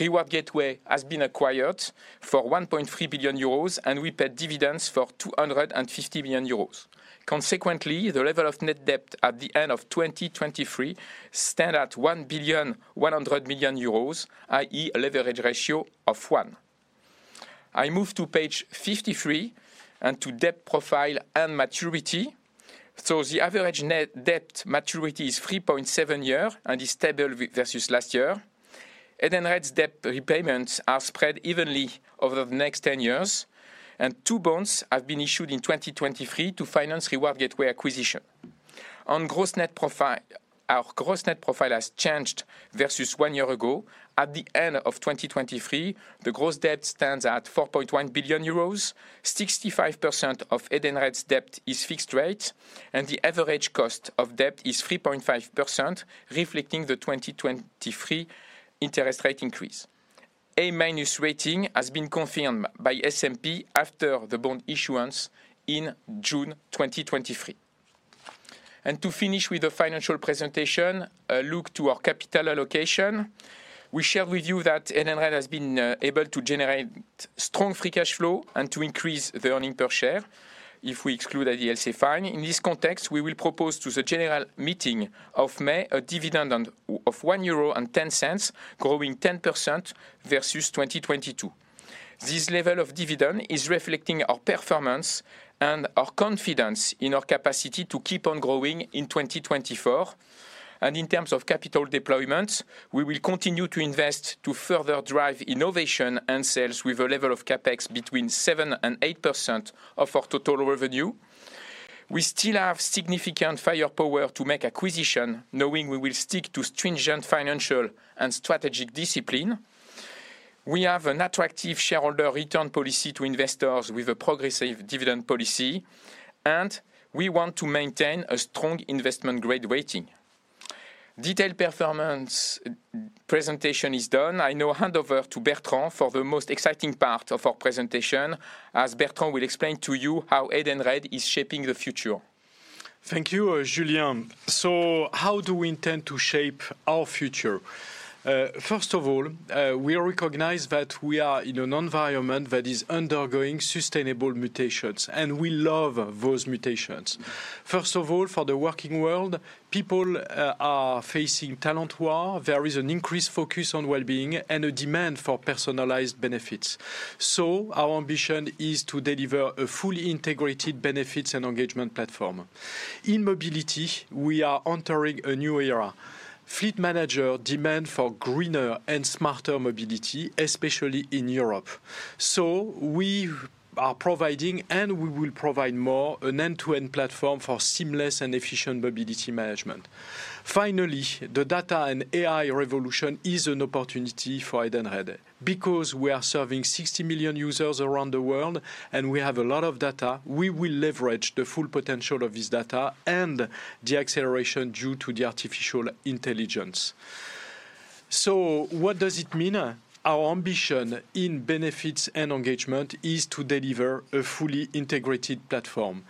Reward Gateway has been acquired for 1.3 billion euros, and we paid dividends for 250 million euros. Consequently, the level of net debt at the end of 2023 stands at 1.1 billion, i.e., a leverage ratio of one. I move to page 53 and to debt profile and maturity. So the average net debt maturity is 3.7 years and is stable versus last year. Edenred's debt repayments are spread evenly over the next 10 years, and two bonds have been issued in 2023 to finance Reward Gateway acquisition. On gross debt profile—Our gross debt profile has changed versus one year ago. At the end of 2023, the gross debt stands at 4.1 billion euros. 65% of Edenred's debt is fixed rate, and the average cost of debt is 3.5%, reflecting the 2023 interest rate increase. A- rating has been confirmed by S&P after the bond issuance in June 2023. To finish with the financial presentation, a look to our capital allocation. We share with you that Edenred has been able to generate strong free cash flow and to increase the earnings per share if we exclude ADLC fine. In this context, we will propose to the general meeting of May a dividend of 1.10 euro, growing 10% versus 2022. This level of dividend is reflecting our performance and our confidence in our capacity to keep on growing in 2024. In terms of capital deployment, we will continue to invest to further drive innovation and sales with a level of CapEx between 7%-8% of our total revenue. We still have significant firepower to make acquisition, knowing we will stick to stringent financial and strategic discipline. We have an attractive shareholder return policy to investors with a progressive dividend policy, and we want to maintain a strong investment-grade rating. Detailed performance presentation is done. I now hand over to Bertrand for the most exciting part of our presentation, as Bertrand will explain to you how Edenred is shaping the future. Thank you, Julien. So how do we intend to shape our future? First of all, we recognize that we are in an environment that is undergoing sustainable mutations, and we love those mutations. First of all, for the working world, people are facing talent war. There is an increased focus on well-being and a demand for personalized benefits. So our ambition is to deliver a fully integrated benefits and engagement platform. In mobility, we are entering a new era. Fleet manager demand for greener and smarter mobility, especially in Europe. So we are providing, and we will provide more, an end-to-end platform for seamless and efficient mobility management. Finally, the data and AI revolution is an opportunity for Edenred. Because we are serving 60 million users around the world, and we have a lot of data, we will leverage the full potential of this data and the acceleration due to the artificial intelligence. So what does it mean? Our ambition in benefits and engagement is to deliver a fully integrated platform,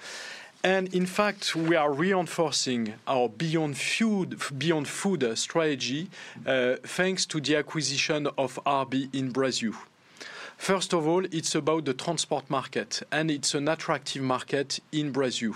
and in fact, we are reinforcing our Beyond Food strategy thanks to the acquisition of RB in Brazil. First of all, it's about the transport market, and it's an attractive market in Brazil.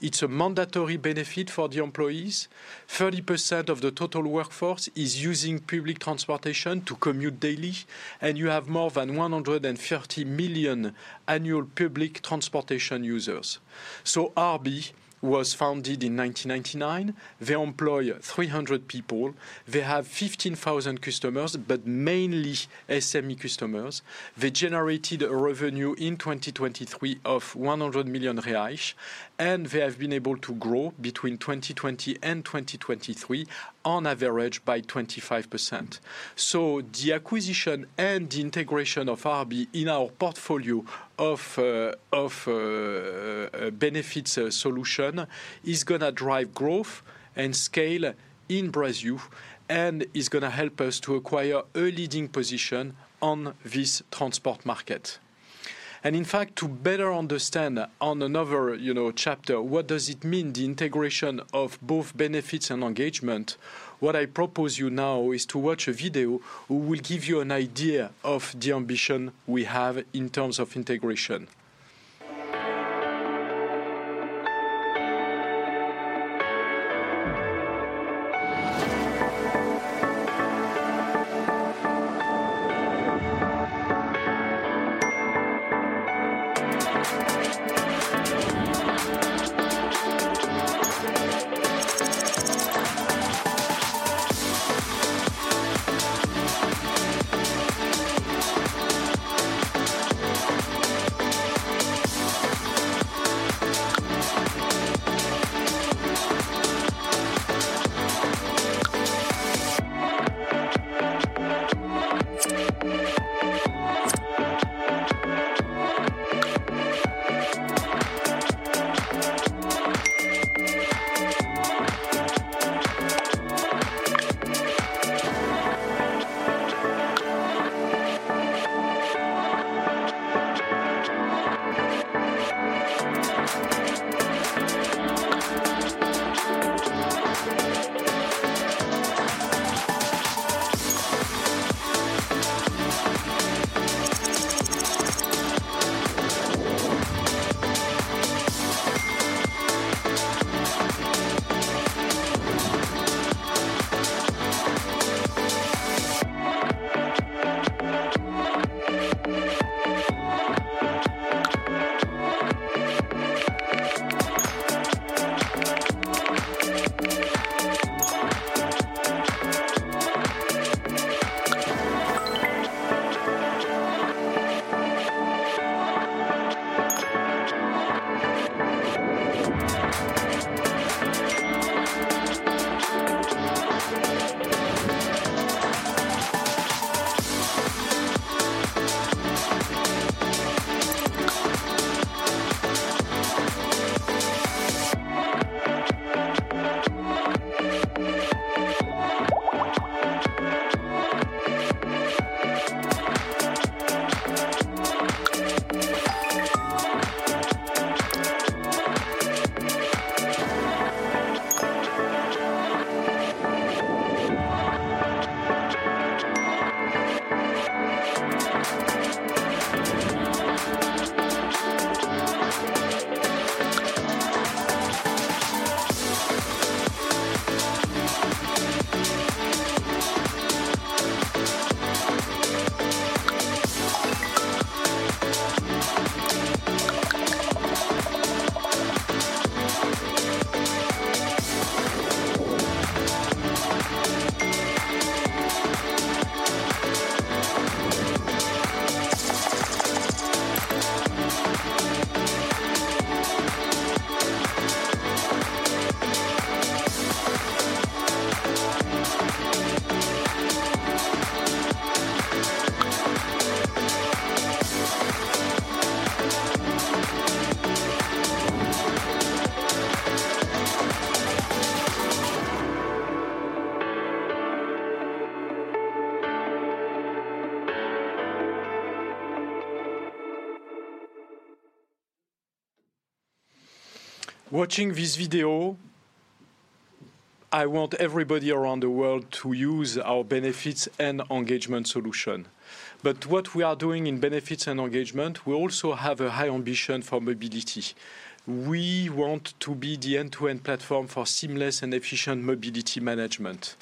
It's a mandatory benefit for the employees. 30% of the total workforce is using public transportation to commute daily, and you have more than 130 million annual public transportation users. So RB was founded in 1999. They employ 300 people. They have 15,000 customers, but mainly SME customers. They generated a revenue in 2023 of 100 million reais, and they have been able to grow between 2020 and 2023 on average by 25%. So the acquisition and the integration of RB in our portfolio of benefits solution is going to drive growth and scale in Brazil and is going to help us to acquire a leading position on this transport market. In fact, to better understand on another, you know, chapter, what does it mean, the integration of both benefits and engagement? What I propose you now is to watch a video who will give you an idea of the ambition we have in terms of integration. Watching this video, I want everybody around the world to use our benefits and engagement solution. But what we are doing in benefits and engagement, we also have a high ambition for mobility. We want to be the end-to-end platform for seamless and efficient mobility management.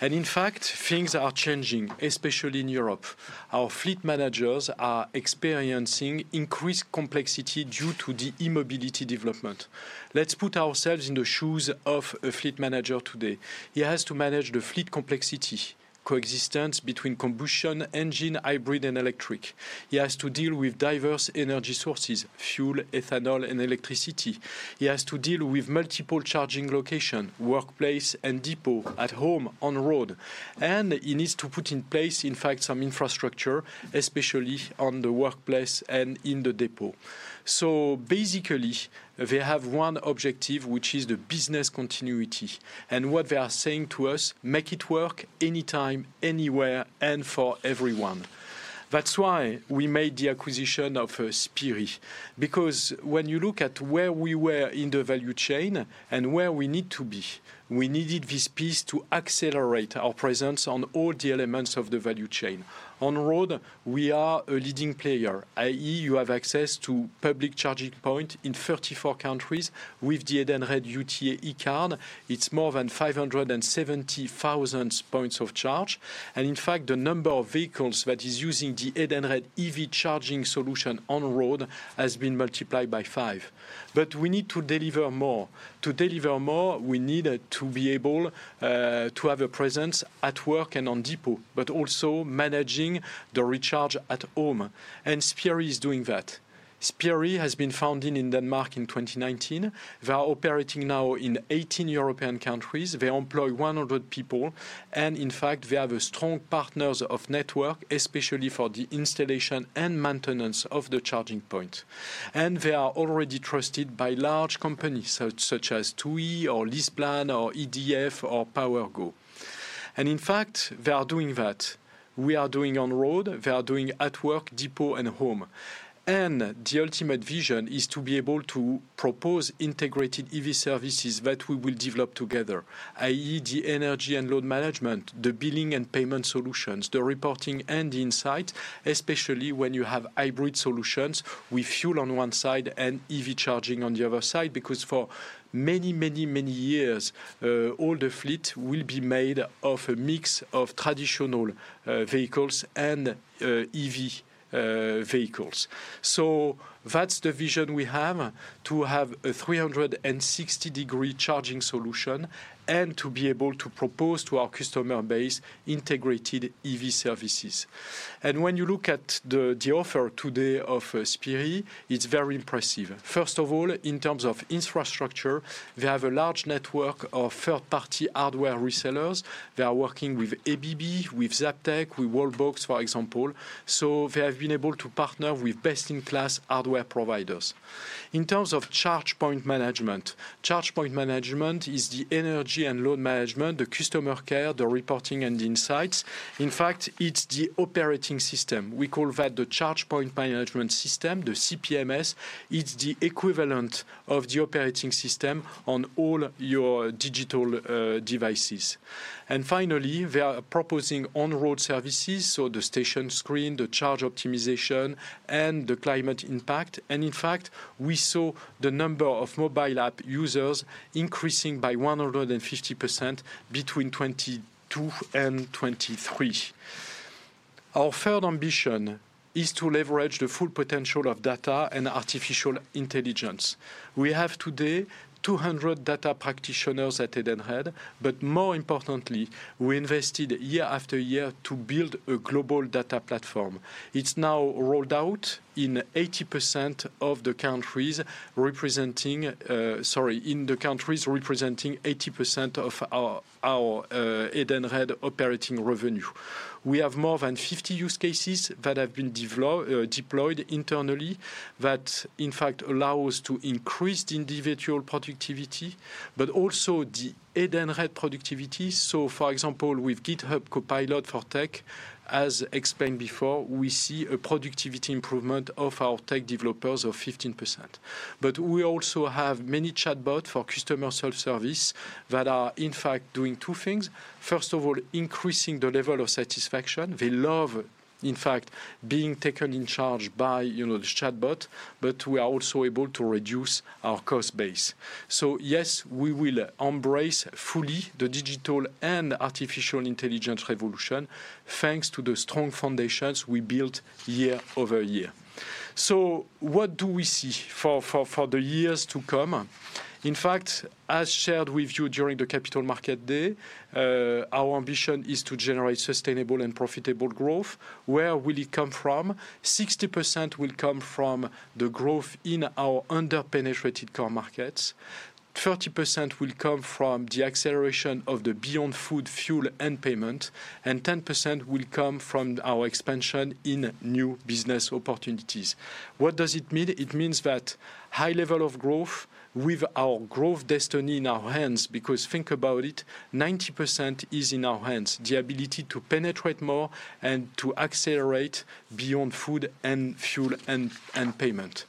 And in fact, things are changing, especially in Europe. Our fleet managers are experiencing increased complexity due to the e-mobility development. Let's put ourselves in the shoes of a fleet manager today. He has to manage the fleet complexity, coexistence between combustion engine, hybrid, and electric. He has to deal with diverse energy sources: fuel, ethanol, and electricity. He has to deal with multiple charging location, workplace and depot, at home, on road, and he needs to put in place, in fact, some infrastructure, especially on the workplace and in the depot. So basically, they have one objective, which is the business continuity, and what they are saying to us: "Make it work anytime, anywhere, and for everyone." That's why we made the acquisition of Spirii, because when you look at where we were in the value chain and where we need to be, we needed this piece to accelerate our presence on all the elements of the value chain. On road, we are a leading player, i.e., you have access to public charging point in 34 countries with the Edenred UTA eCard. It's more than 570,000 points of charge, and in fact, the number of vehicles that is using the Edenred EV charging solution on road has been multiplied by 5. But we need to deliver more. To deliver more, we need to be able to have a presence at work and on depot, but also managing the recharge at home, and Spirii is doing that. Spirii has been founded in Denmark in 2019. They are operating now in 18 European countries. They employ 100 people, and in fact, they have a strong partners of network, especially for the installation and maintenance of the charging point. And they are already trusted by large companies, such as TUI or LeasePlan or EDF or PowerGo. And in fact, they are doing that. We are doing on road. They are doing at work, depot, and home. The ultimate vision is to be able to propose integrated EV services that we will develop together, i.e., the energy and load management, the billing and payment solutions, the reporting and insight, especially when you have hybrid solutions with fuel on one side and EV charging on the other side, because for many, many, many years, all the fleet will be made of a mix of traditional vehicles and EV vehicles. So that's the vision we have, to have a 360-degree charging solution and to be able to propose to our customer base integrated EV services. When you look at the offer today of Spirii, it's very impressive. First of all, in terms of infrastructure, they have a large network of third-party hardware resellers. They are working with ABB, with Zaptec, with Wallbox, for example. So they have been able to partner with best-in-class hardware providers. In terms of charge point management, charge point management is the energy and load management, the customer care, the reporting and insights. In fact, it's the operating system. We call that the Charge Point Management System, the CPMS. It's the equivalent of the operating system on all your digital devices. And finally, they are proposing on-road services, so the station screen, the charge optimization, and the climate impact. And in fact, we saw the number of mobile app users increasing by 150% between 2022 and 2023. Our third ambition is to leverage the full potential of data and artificial intelligence. We have today 200 data practitioners at Edenred, but more importantly, we invested year after year to build a global data platform. It's now rolled out in 80% of the countries representing, sorry, in the countries representing 80% of our Edenred operating revenue. We have more than 50 use cases that have been deployed internally, that, in fact, allow us to increase the individual productivity, but also the R&D and tech productivity. So for example, with GitHub Copilot for Tech, as explained before, we see a productivity improvement of our tech developers of 15%. But we also have many chatbots for customer self-service that are, in fact, doing two things. First of all, increasing the level of satisfaction. They love, in fact, being taken in charge by, you know, the chatbot, but we are also able to reduce our cost base. So yes, we will embrace fully the digital and artificial intelligence revolution, thanks to the strong foundations we built year over year. So what do we see for the years to come? In fact, as shared with you during the Capital Markets Day, our ambition is to generate sustainable and profitable growth. Where will it come from? 60% will come from the growth in our under-penetrated core markets. 30% will come from the acceleration of the Beyond Food, Fuel, and Payment, and 10% will come from our expansion in new business opportunities. What does it mean? It means that high level of growth with our growth destiny in our hands, because think about it, 90% is in our hands. The ability to penetrate more and to accelerate Beyond Food and fuel and payment.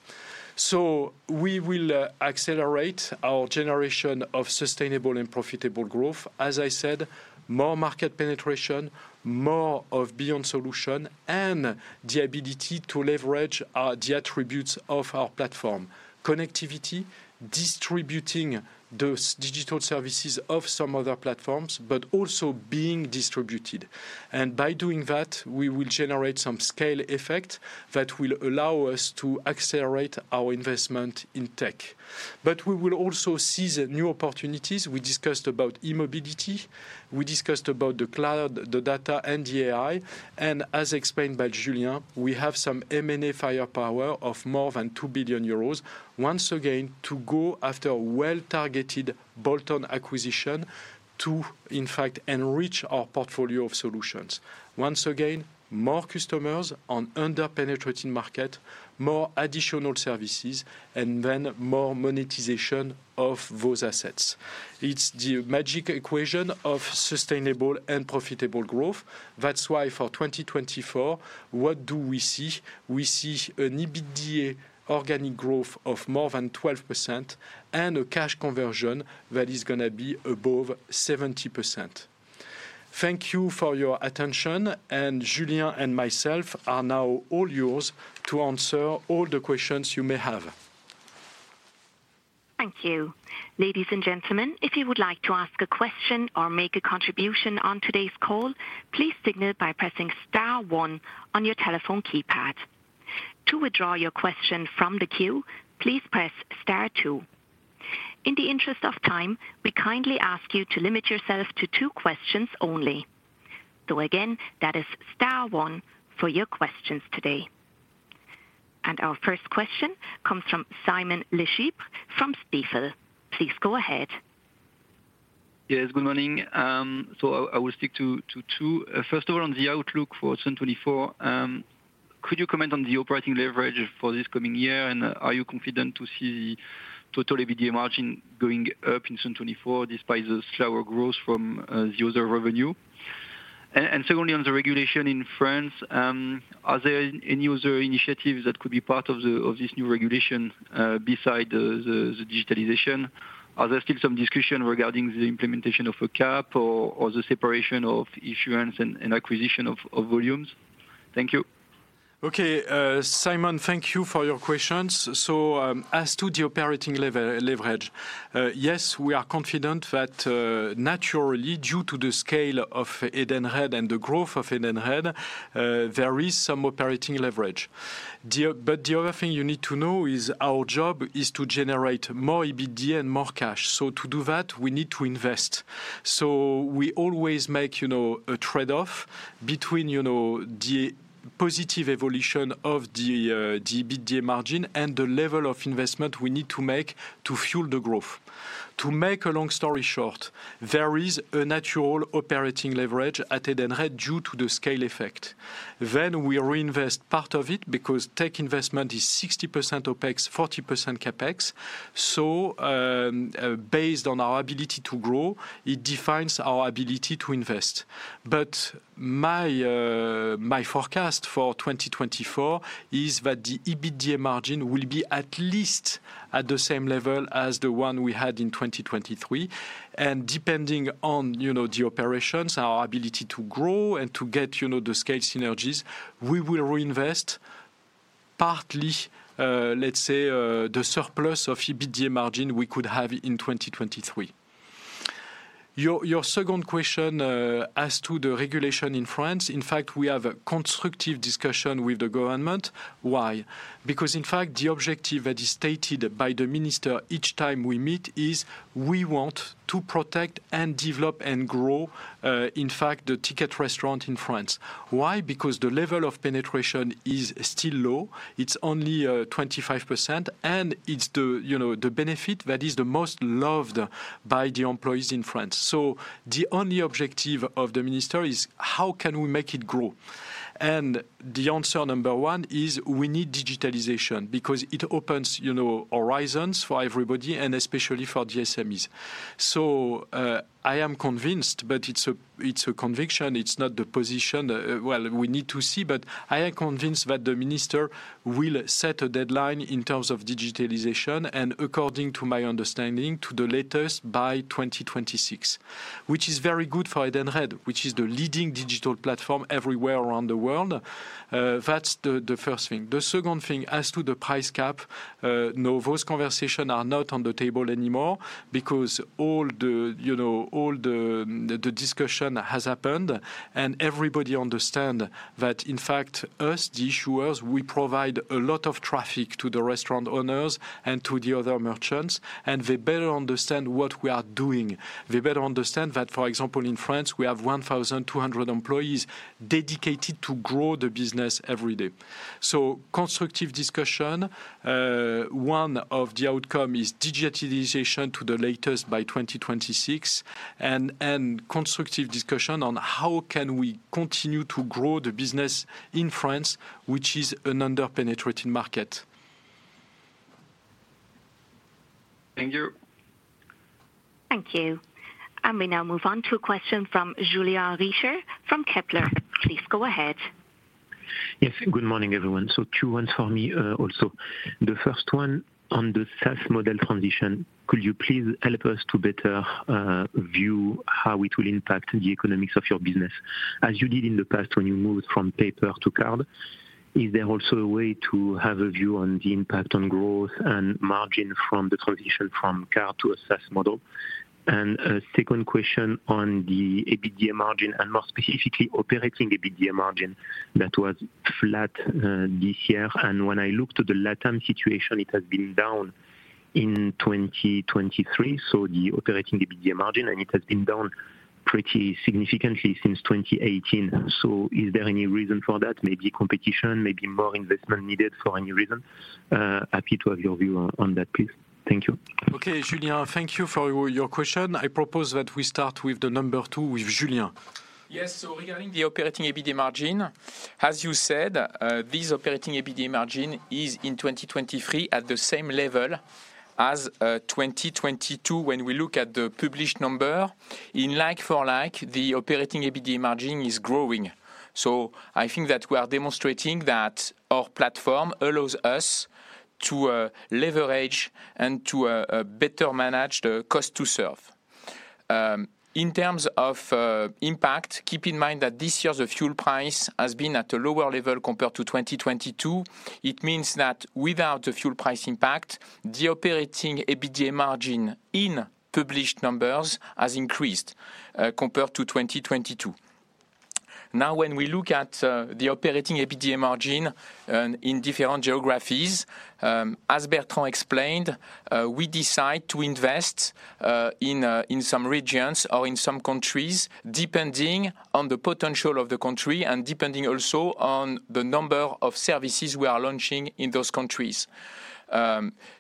So we will accelerate our generation of sustainable and profitable growth. As I said, more market penetration, more of beyond solution, and the ability to leverage the attributes of our platform. Connectivity, distributing those digital services of some other platforms, but also being distributed. And by doing that, we will generate some scale effect that will allow us to accelerate our investment in tech. But we will also seize new opportunities. We discussed about e-mobility, we discussed about the cloud, the data, and the AI, and as explained by Julien, we have some M&A firepower of more than 2 billion euros, once again, to go after a well-targeted bolt-on acquisition to, in fact, enrich our portfolio of solutions. Once again, more customers on under-penetrating market, more additional services, and then more monetization of those assets. It's the magic equation of sustainable and profitable growth. That's why for 2024, what do we see? We see an EBITDA organic growth of more than 12% and a cash conversion that is gonna be above 70%. Thank you for your attention, and Julien and myself are now all yours to answer all the questions you may have. Thank you. Ladies and gentlemen, if you would like to ask a question or make a contribution on today's call, please signal by pressing star one on your telephone keypad. To withdraw your question from the queue, please press star two. In the interest of time, we kindly ask you to limit yourselves to two questions only. So again, that is star one for your questions today. And our first question comes from Simon Lechipre from Stifel. Please go ahead. Yes, good morning. So I will stick to two. First of all, on the outlook for 2024, could you comment on the operating leverage for this coming year? And are you confident to see total EBITDA margin going up in 2024, despite the slower growth from the other revenue? And secondly, on the regulation in France, are there any other initiatives that could be part of this new regulation, besides the digitalization? Are there still some discussion regarding the implementation of a cap or the separation of issuance and acquisition of volumes? Thank you. Okay, Simon, thank you for your questions. So, as to the operating leverage, yes, we are confident that, naturally, due to the scale of Edenred and the growth of Edenred, there is some operating leverage. But the other thing you need to know is our job is to generate more EBITDA and more cash. So to do that, we need to invest. So we always make, you know, a trade-off between, you know, the positive evolution of the EBITDA margin and the level of investment we need to make to fuel the growth. To make a long story short, there is a natural operating leverage at Edenred due to the scale effect. Then we reinvest part of it, because tech investment is 60% OpEx, 40% CapEx. So, based on our ability to grow, it defines our ability to invest. But my forecast for 2024 is that the EBITDA margin will be at least at the same level as the one we had in 2023. And depending on, you know, the operations, our ability to grow and to get, you know, the scale synergies, we will reinvest partly, let's say, the surplus of EBITDA margin we could have in 2023. Your second question as to the regulation in France, in fact, we have a constructive discussion with the government. Why? Because, in fact, the objective that is stated by the minister each time we meet is: we want to protect and develop and grow, in fact, the Ticket Restaurant in France. Why? Because the level of penetration is still low. It's only 25%, and it's the, you know, the benefit that is the most loved by the employees in France. So the only objective of the minister is: how can we make it grow? And the answer, number one, is we need digitalization because it opens, you know, horizons for everybody and especially for the SMEs. So I am convinced, but it's a, it's a conviction, it's not the position. Well, we need to see, but I am convinced that the minister will set a deadline in terms of digitalization and according to my understanding, to the latest by 2026, which is very good for Edenred, which is the leading digital platform everywhere around the world. That's the first thing. The second thing, as to the price cap, no, those conversations are not on the table anymore because all the, you know, all the, the discussion has happened, and everybody understand that, in fact, us, the issuers, we provide a lot of traffic to the restaurant owners and to the other merchants, and they better understand what we are doing. They better understand that, for example, in France, we have 1,200 employees dedicated to grow the business every day. So constructive discussion. One of the outcome is digitalization to the latest by 2026, and, and constructive discussion on how can we continue to grow the business in France, which is an under-penetrated market. Thank you. Thank you. We now move on to a question from Julien Richer from Kepler. Please go ahead. Yes, good morning, everyone. So two ones for me, also. The first one on the SaaS model transition, could you please help us to better view how it will impact the economics of your business? As you did in the past, when you moved from paper to card, is there also a way to have a view on the impact on growth and margin from the transition from card to a SaaS model? And a second question on the EBITDA margin, and more specifically, operating EBITDA margin, that was flat this year. And when I look to the LatAm situation, it has been down in 2023, so the operating EBITDA margin, and it has been down pretty significantly since 2018. So is there any reason for that? Maybe competition, maybe more investment needed for any reason. Happy to have your view on that, please. Thank you. Okay, Julien, thank you for your, your question. I propose that we start with the number two with Julien. Yes. So regarding the operating EBITDA margin, as you said, this operating EBITDA margin is in 2023 at the same level as, 2022. When we look at the published number, in like for like, the operating EBITDA margin is growing. So I think that we are demonstrating that our platform allows us to, leverage and to, better manage the cost to serve. In terms of, impact, keep in mind that this year's fuel price has been at a lower level compared to 2022. It means that without the fuel price impact, the operating EBITDA margin in published numbers has increased, compared to 2022. Now, when we look at the operating EBITDA margin in different geographies, as Bertrand explained, we decide to invest in some regions or in some countries, depending on the potential of the country and depending also on the number of services we are launching in those countries.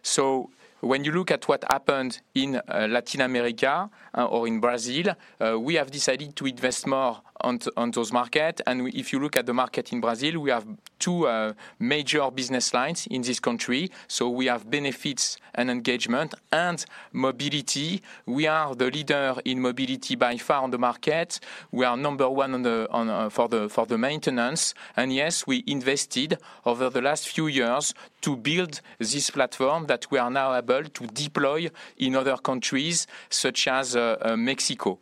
So when you look at what happened in Latin America or in Brazil, we have decided to invest more on those market. And we, if you look at the market in Brazil, we have 2 major business lines in this country. So we have benefits and engagement and mobility. We are the leader in mobility by far on the market. We are number one on the market for the maintenance. Yes, we invested over the last few years to build this platform that we are now able to deploy in other countries, such as Mexico.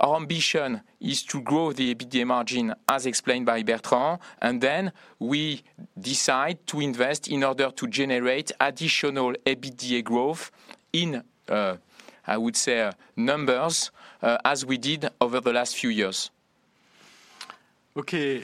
Our ambition is to grow the EBITDA margin, as explained by Bertrand, and then we decide to invest in order to generate additional EBITDA growth in, I would say, numbers, as we did over the last few years. Okay,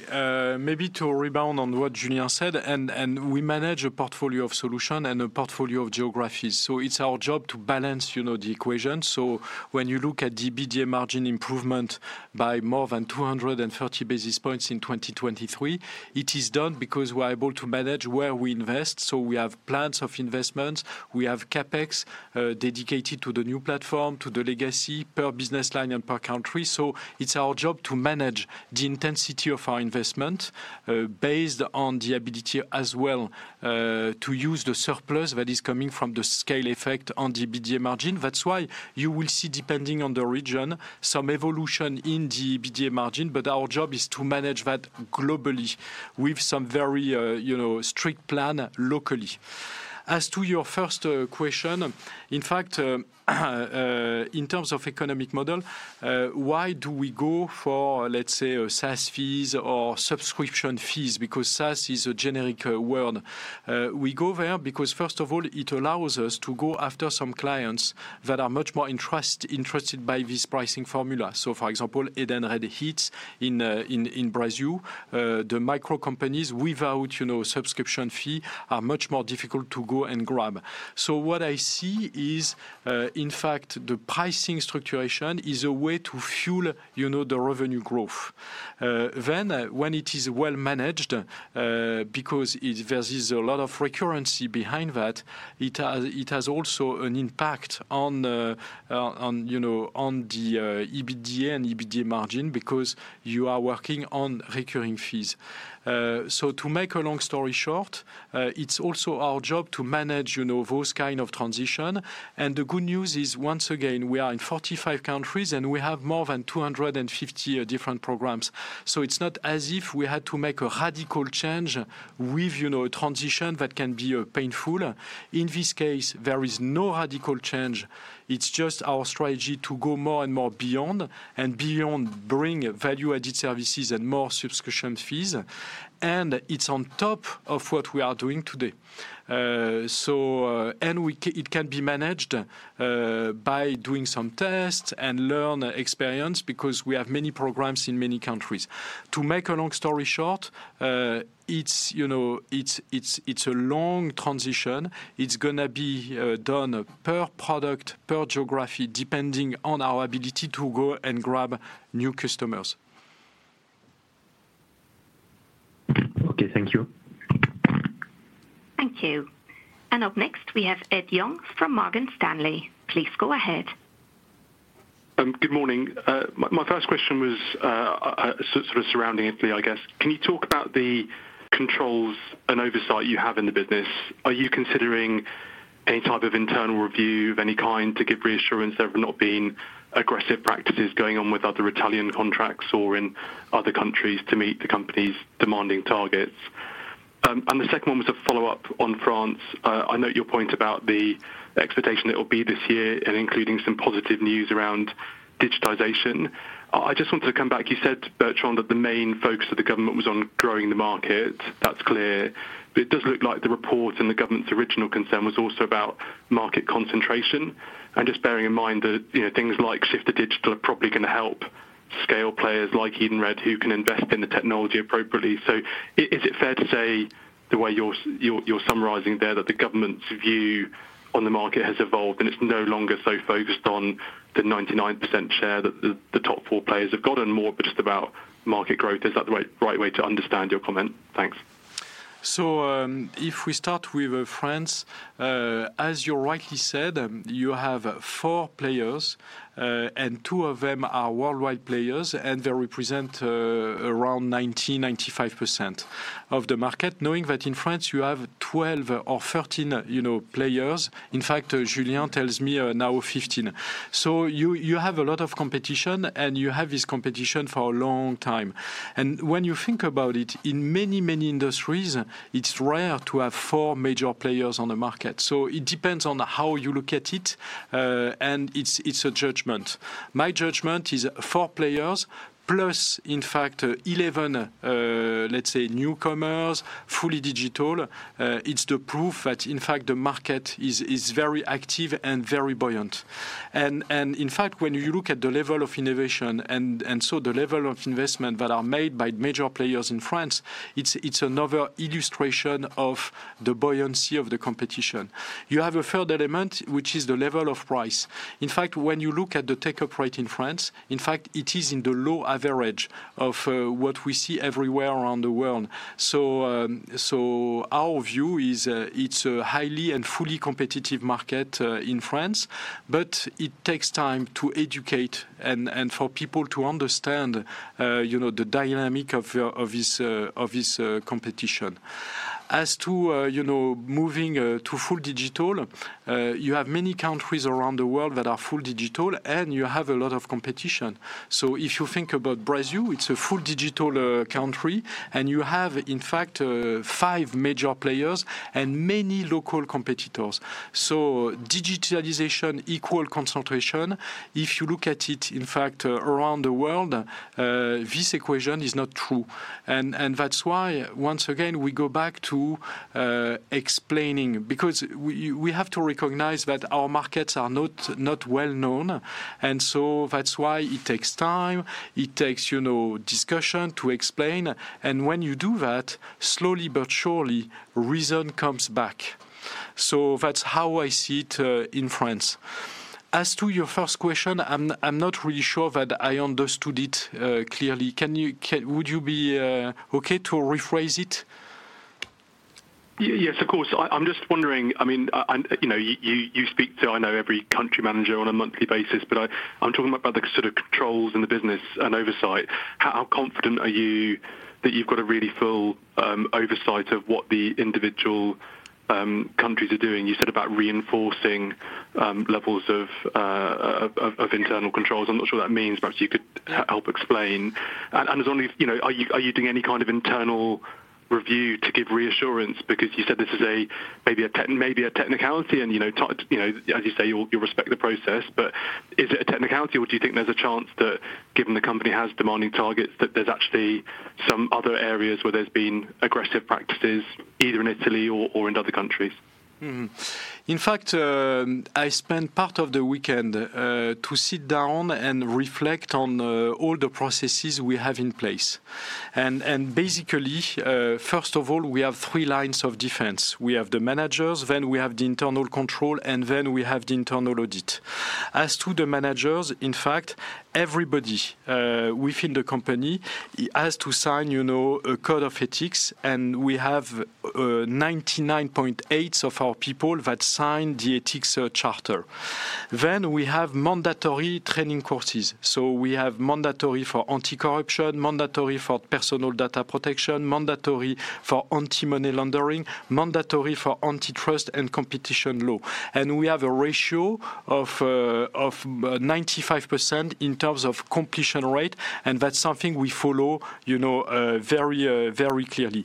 maybe to rebound on what Julien said, and we manage a portfolio of solution and a portfolio of geographies. So it's our job to balance, you know, the equation. So when you look at the EBITDA margin improvement by more than 230 basis points in 2023, it is done because we're able to manage where we invest. So we have plans of investments. We have CapEx dedicated to the new platform, to the legacy, per business line and per country. So it's our job to manage the intensity of our investment based on the ability as well to use the surplus that is coming from the scale effect on the EBITDA margin. That's why you will see, depending on the region, some evolution in the EBITDA margin, but our job is to manage that globally with some very, you know, strict plan locally. As to your first question, in fact, in terms of economic model, why do we go for, let's say, a SaaS fees or subscription fees? Because SaaS is a generic word. We go there because, first of all, it allows us to go after some clients that are much more interested by this pricing formula. So for example, Edenred Hits in Brazil. The micro companies without, you know, subscription fee are much more difficult to go and grab. So what I see is, in fact, the pricing structuration is a way to fuel, you know, the revenue growth. Then, when it is well managed, because it, there is a lot of recurrency behind that, it has, it has also an impact on, you know, on the, EBITDA and EBITDA margin, because you are working on recurring fees. So to make a long story short, it's also our job to manage, you know, those kind of transition. And the good news is, once again, we are in 45 countries, and we have more than 250 different programs. So it's not as if we had to make a radical change with, you know, a transition that can be, painful. In this case, there is no radical change. It's just our strategy to go more and more beyond, and beyond bring value-added services and more subscription fees. And it's on top of what we are doing today. It can be managed by doing some tests and learn experience, because we have many programs in many countries. To make a long story short, it's, you know, a long transition. It's gonna be done per product, per geography, depending on our ability to go and grab new customers. Okay, thank you. Thank you. Up next, we have Ed Young from Morgan Stanley. Please go ahead. Good morning. My first question was sort of surrounding Italy, I guess. Can you talk about the controls and oversight you have in the business? Are you considering any type of internal review of any kind to give reassurance there have not been aggressive practices going on with other Italian contracts or in other countries to meet the company's demanding targets? And the second one was a follow-up on France. I note your point about the expectation it will be this year and including some positive news around digitization. I just wanted to come back. You said, Bertrand, that the main focus of the government was on growing the market. That's clear. But it does look like the report and the government's original concern was also about market concentration. And just bearing in mind that, you know, things like shift to digital are probably going to help scale players like Edenred, who can invest in the technology appropriately. So is it fair to say the way you're summarizing there, that the government's view on the market has evolved, and it's no longer so focused on the 99% share that the top four players have gotten more, but just about market growth? Is that the right way to understand your comment? Thanks. So, if we start with France, as you rightly said, you have four players, and two of them are worldwide players, and they represent around 90%-95% of the market. Knowing that in France you have 12 or 13, you know, players. In fact, Julien tells me, now 15. So you have a lot of competition, and you have this competition for a long time. And when you think about it, in many industries, it's rare to have four major players on the market. So it depends on how you look at it, and it's a judgment. My judgment is four players, plus, in fact, 11, let's say, newcomers, fully digital. It's the proof that, in fact, the market is very active and very buoyant. In fact, when you look at the level of innovation, so the level of investment that are made by major players in France, it's another illustration of the buoyancy of the competition. You have a third element, which is the level of price. In fact, when you look at the take-up rate in France, in fact, it is in the low average of what we see everywhere around the world. So, so our view is, it's a highly and fully competitive market in France, but it takes time to educate and for people to understand, you know, the dynamic of this competition. As to, you know, moving to full digital, you have many countries around the world that are full digital, and you have a lot of competition. So if you think about Brazil, it's a full digital country, and you have, in fact, five major players and many local competitors. So digitalization, equal concentration. If you look at it, in fact, around the world, this equation is not true. And, and that's why, once again, we go back to explaining, because we, we have to recognize that our markets are not, not well known, and so that's why it takes time. It takes, you know, discussion to explain, and when you do that, slowly but surely, reason comes back. So that's how I see it in France. As to your first question, I'm, I'm not really sure that I understood it clearly. Would you be okay to rephrase it? Yes, of course. I'm just wondering, I mean, I'm, you know, you speak to, I know, every country manager on a monthly basis, but I'm talking about the sort of controls in the business and oversight. How confident are you that you've got a really full oversight of what the individual countries are doing? You said about reinforcing levels of internal controls. I'm not sure what that means. Perhaps you could help explain. And as long as, you know, are you doing any kind of internal review to give reassurance? Because you said this is maybe a technicality and, you know, as you say, you respect the process, but is it a technicality, or do you think there's a chance that given the company has demanding targets, that there's actually some other areas where there's been aggressive practices, either in Italy or in other countries? Mm-hmm. In fact, I spent part of the weekend to sit down and reflect on all the processes we have in place. And basically, first of all, we have three lines of defense. We have the managers, then we have the internal control, and then we have the internal audit. As to the managers, in fact, everybody within the company has to sign, you know, a code of ethics, and we have 99.8 of our people that signed the ethics charter. Then we have mandatory training courses. So we have mandatory for anti-corruption, mandatory for personal data protection, mandatory for anti-money laundering, mandatory for antitrust and competition law. And we have a ratio of 95% in terms of completion rate, and that's something we follow, you know, very very clearly.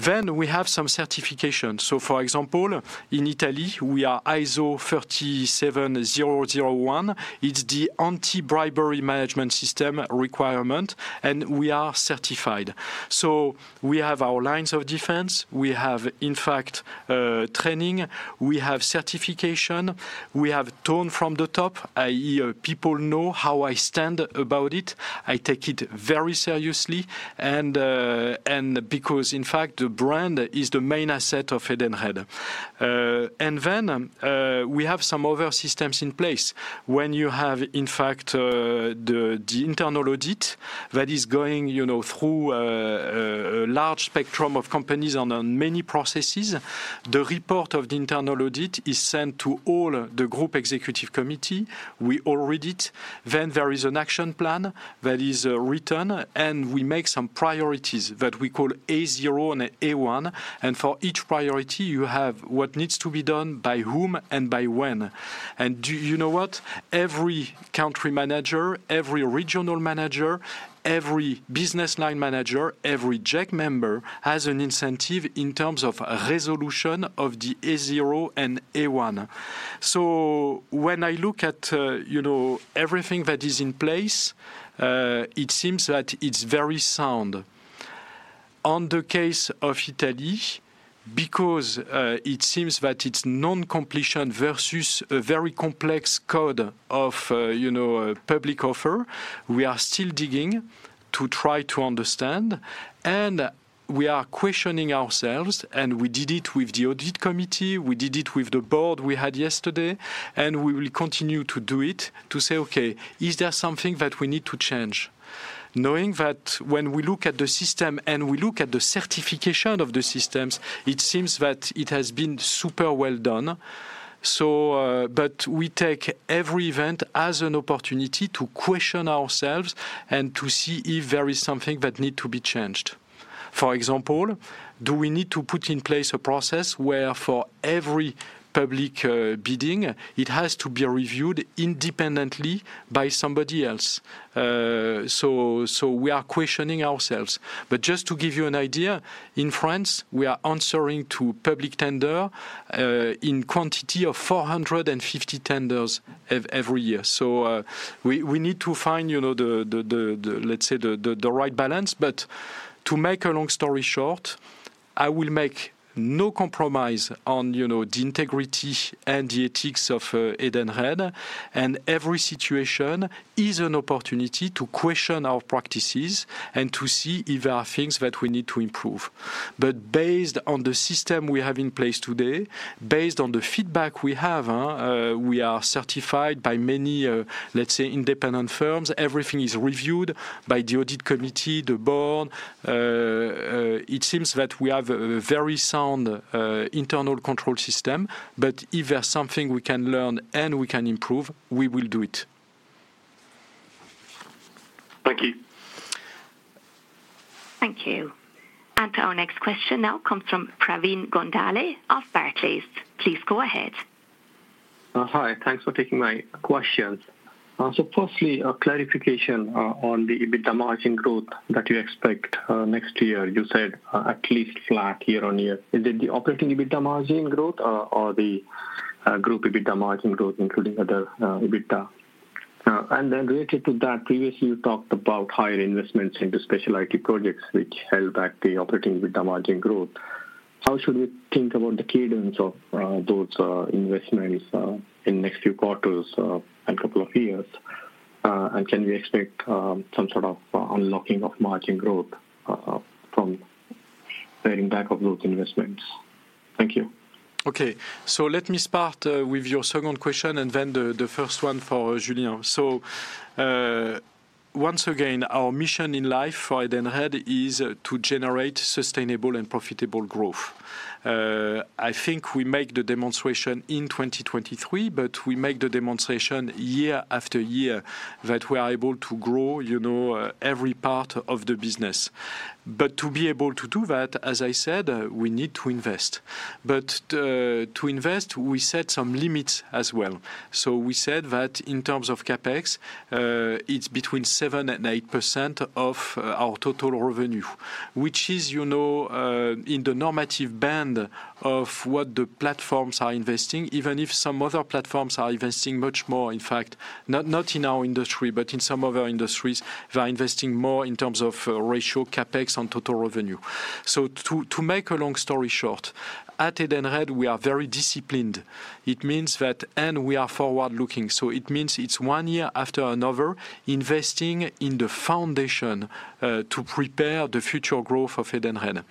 Then we have some certifications. So, for example, in Italy, we are ISO 37001. It's the anti-bribery management system requirement, and we are certified. So we have our lines of defense. We have, in fact, training, we have certification, we have tone from the top, i.e., people know how I stand about it. I take it very seriously, and, and because, in fact, the brand is the main asset of Edenred. And then, we have some other systems in place. When you have, in fact, the, the internal audit that is going, you know, through, a, a large spectrum of companies and on many processes, the report of the internal audit is sent to all the group executive committee. We all read it. Then there is an action plan that is written, and we make some priorities that we call A zero and A one, and for each priority, you have what needs to be done, by whom and by when. And do you know what? Every country manager, every regional manager, every business line manager, every GEC member has an incentive in terms of resolution of the A zero and A one. So when I look at you know, everything that is in place, it seems that it's very sound. On the case of Italy, because it seems that it's non-completion versus a very complex code of, you know, public offer, we are still digging to try to understand, and we are questioning ourselves, and we did it with the audit committee, we did it with the board we had yesterday, and we will continue to do it, to say, "Okay, is there something that we need to change?" Knowing that when we look at the system and we look at the certification of the systems, it seems that it has been super well done. So, but we take every event as an opportunity to question ourselves and to see if there is something that need to be changed. For example, do we need to put in place a process where for every public, bidding, it has to be reviewed independently by somebody else? So we are questioning ourselves. But just to give you an idea, in France, we are answering to public tender in quantity of 450 tenders every year. So we need to find, you know, let's say, the right balance. But to make a long story short, I will make no compromise on, you know, the integrity and the ethics of Edenred, and every situation is an opportunity to question our practices and to see if there are things that we need to improve. But based on the system we have in place today, based on the feedback we have, we are certified by many, let's say, independent firms. Everything is reviewed by the audit committee, the board. It seems that we have a very sound internal control system, but if there's something we can learn and we can improve, we will do it. Thank you. Thank you. Our next question now comes from Pravin Gondhale of Barclays. Please go ahead. Hi, thanks for taking my questions. So firstly, a clarification on the EBITDA margin growth that you expect next year. You said at least flat year-on-year. Is it the operating EBITDA margin growth or the group EBITDA margin growth, including other EBITDA? And then related to that, previously, you talked about higher investments into special IT projects, which held back the operating margin growth. How should we think about the cadence of those investments in next few quarters and couple of years? And can we expect some sort of unlocking of margin growth from paring back of those investments? Thank you. Okay. So let me start with your second question, and then the first one for Julien. So, once again, our mission in life for Edenred is to generate sustainable and profitable growth. I think we make the demonstration in 2023, but we make the demonstration year after year that we are able to grow, you know, every part of the business. But to be able to do that, as I said, we need to invest. But to invest, we set some limits as well. So we said that in terms of CapEx, it's between 7% and 8% of our total revenue, which is, you know, in the normative band of what the platforms are investing, even if some other platforms are investing much more. In fact, not in our industry, but in some other industries, they are investing more in terms of ratio CapEx on total revenue. So to make a long story short, at Edenred, we are very disciplined. It means that and we are forward-looking, so it means it's one year after another, investing in the foundation to prepare the future growth of Edenred.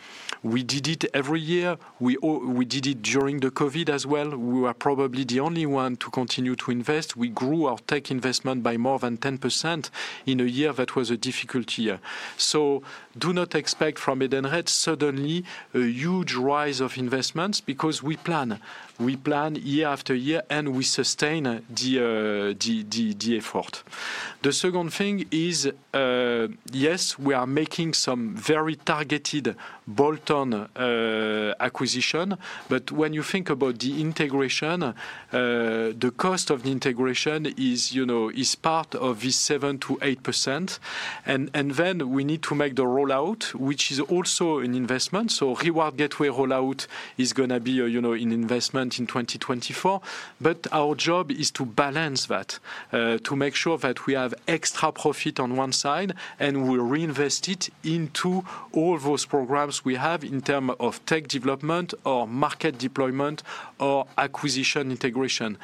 We did it every year. We did it during the COVID as well. We were probably the only one to continue to invest. We grew our tech investment by more than 10% in a year that was a difficult year. So do not expect from Edenred suddenly a huge rise of investments because we plan. We plan year after year, and we sustain the effort. The second thing is, yes, we are making some very targeted bolt-on acquisition, but when you think about the integration, the cost of the integration is, you know, is part of this 7%-8%. And then we need to make the rollout, which is also an investment. So Reward Gateway rollout is gonna be a, you know, an investment in 2024. But our job is to balance that, to make sure that we have extra profit on one side, and we reinvest it into all those programs we have in terms of tech development or market deployment or acquisition integration,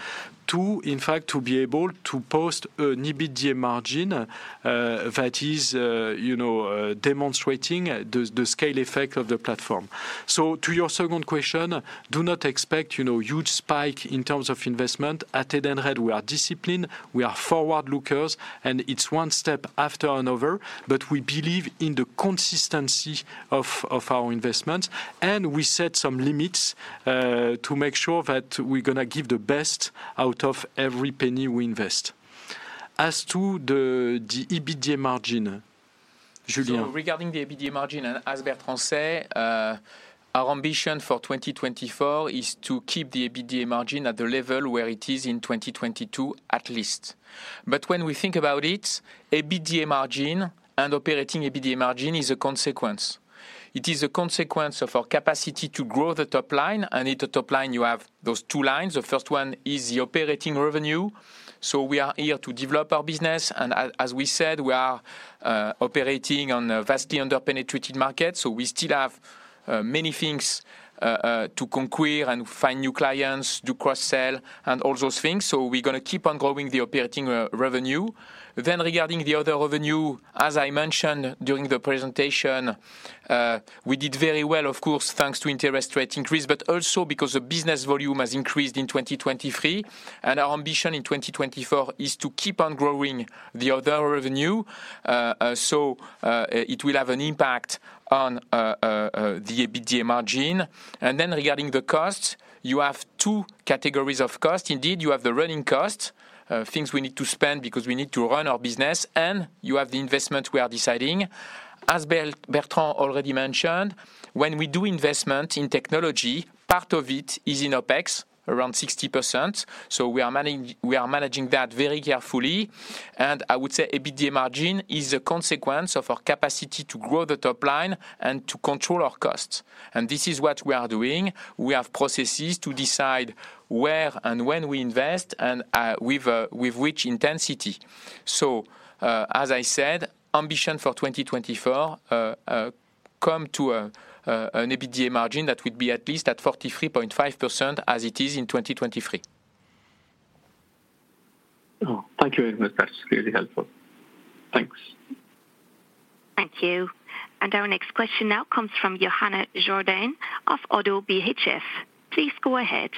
to, in fact, to be able to post an EBITDA margin that is, you know, demonstrating the scale effect of the platform. So to your second question, do not expect, you know, huge spike in terms of investment. At Edenred, we are disciplined, we are forward-lookers, and it's one step after another, but we believe in the consistency of our investments, and we set some limits to make sure that we're gonna give the best out of every penny we invest. As to the EBITDA margin, Julien? So regarding the EBITDA margin, and as Bertrand said, our ambition for 2024 is to keep the EBITDA margin at the level where it is in 2022, at least. But when we think about it, EBITDA margin and operating EBITDA margin is a consequence. It is a consequence of our capacity to grow the top line, and in the top line, you have those two lines. The first one is the operating revenue. So we are here to develop our business, and as, as we said, we are, operating on a vastly underpenetrated market, so we still have, many things, to conquer and find new clients, do cross-sell, and all those things. So we're gonna keep on growing the operating, revenue. Then, regarding the other revenue, as I mentioned during the presentation, we did very well, of course, thanks to interest rate increase, but also because the business volume has increased in 2023, and our ambition in 2024 is to keep on growing the other revenue. So, it will have an impact on the EBITDA margin. And then regarding the costs, you have two categories of costs. Indeed, you have the running costs, things we need to spend because we need to run our business, and you have the investment we are deciding. As Bertrand already mentioned, when we do investment in technology, part of it is in OpEx, around 60%, so we are managing that very carefully. I would say EBITDA margin is a consequence of our capacity to grow the top line and to control our costs, and this is what we are doing. We have processes to decide where and when we invest and with which intensity. As I said, ambition for 2024 come to an EBITDA margin that would be at least at 43.5%, as it is in 2023. Oh, thank you very much. That's really helpful. Thanks. Thank you. Our next question now comes from Johanna Jourdain of Oddo BHF. Please go ahead.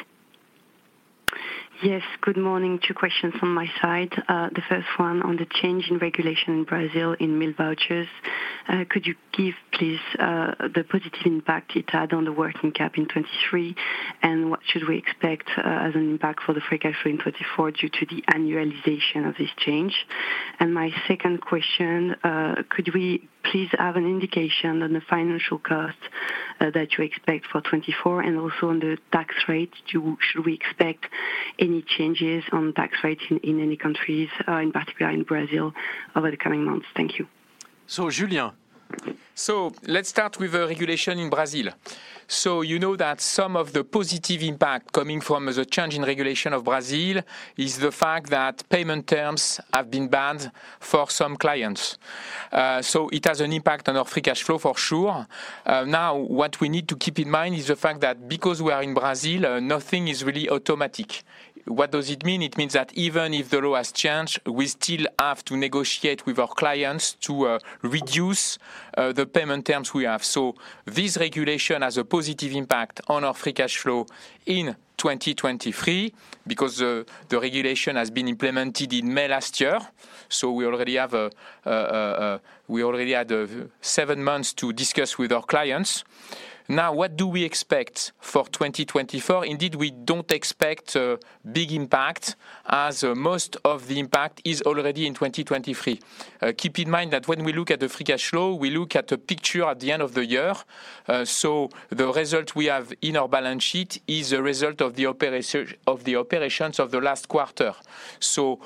Yes, good morning. Two questions from my side. The first one on the change in regulation in Brazil in meal vouchers. Could you give, please, the positive impact it had on the working cap in 2023? And what should we expect, as an impact for the free cash flow in 2024 due to the annualization of this change? And my second question, could we please have an indication on the financial cost, that you expect for 2024 and also on the tax rate? Should we expect any changes on tax rate in, in any countries, in particular in Brazil over the coming months? Thank you. So, Julien? So let's start with the regulation in Brazil. So you know that some of the positive impact coming from the change in regulation of Brazil is the fact that payment terms have been banned for some clients. So it has an impact on our free cash flow for sure. Now, what we need to keep in mind is the fact that because we are in Brazil, nothing is really automatic. What does it mean? It means that even if the law has changed, we still have to negotiate with our clients to reduce the payment terms we have. So this regulation has a positive impact on our free cash flow in 2023, because the regulation has been implemented in May last year, so we already had 7 months to discuss with our clients. Now, what do we expect for 2024? Indeed, we don't expect a big impact, as most of the impact is already in 2023. Keep in mind that when we look at the free cash flow, we look at the picture at the end of the year. So the result we have in our balance sheet is a result of the operations of the last quarter. So,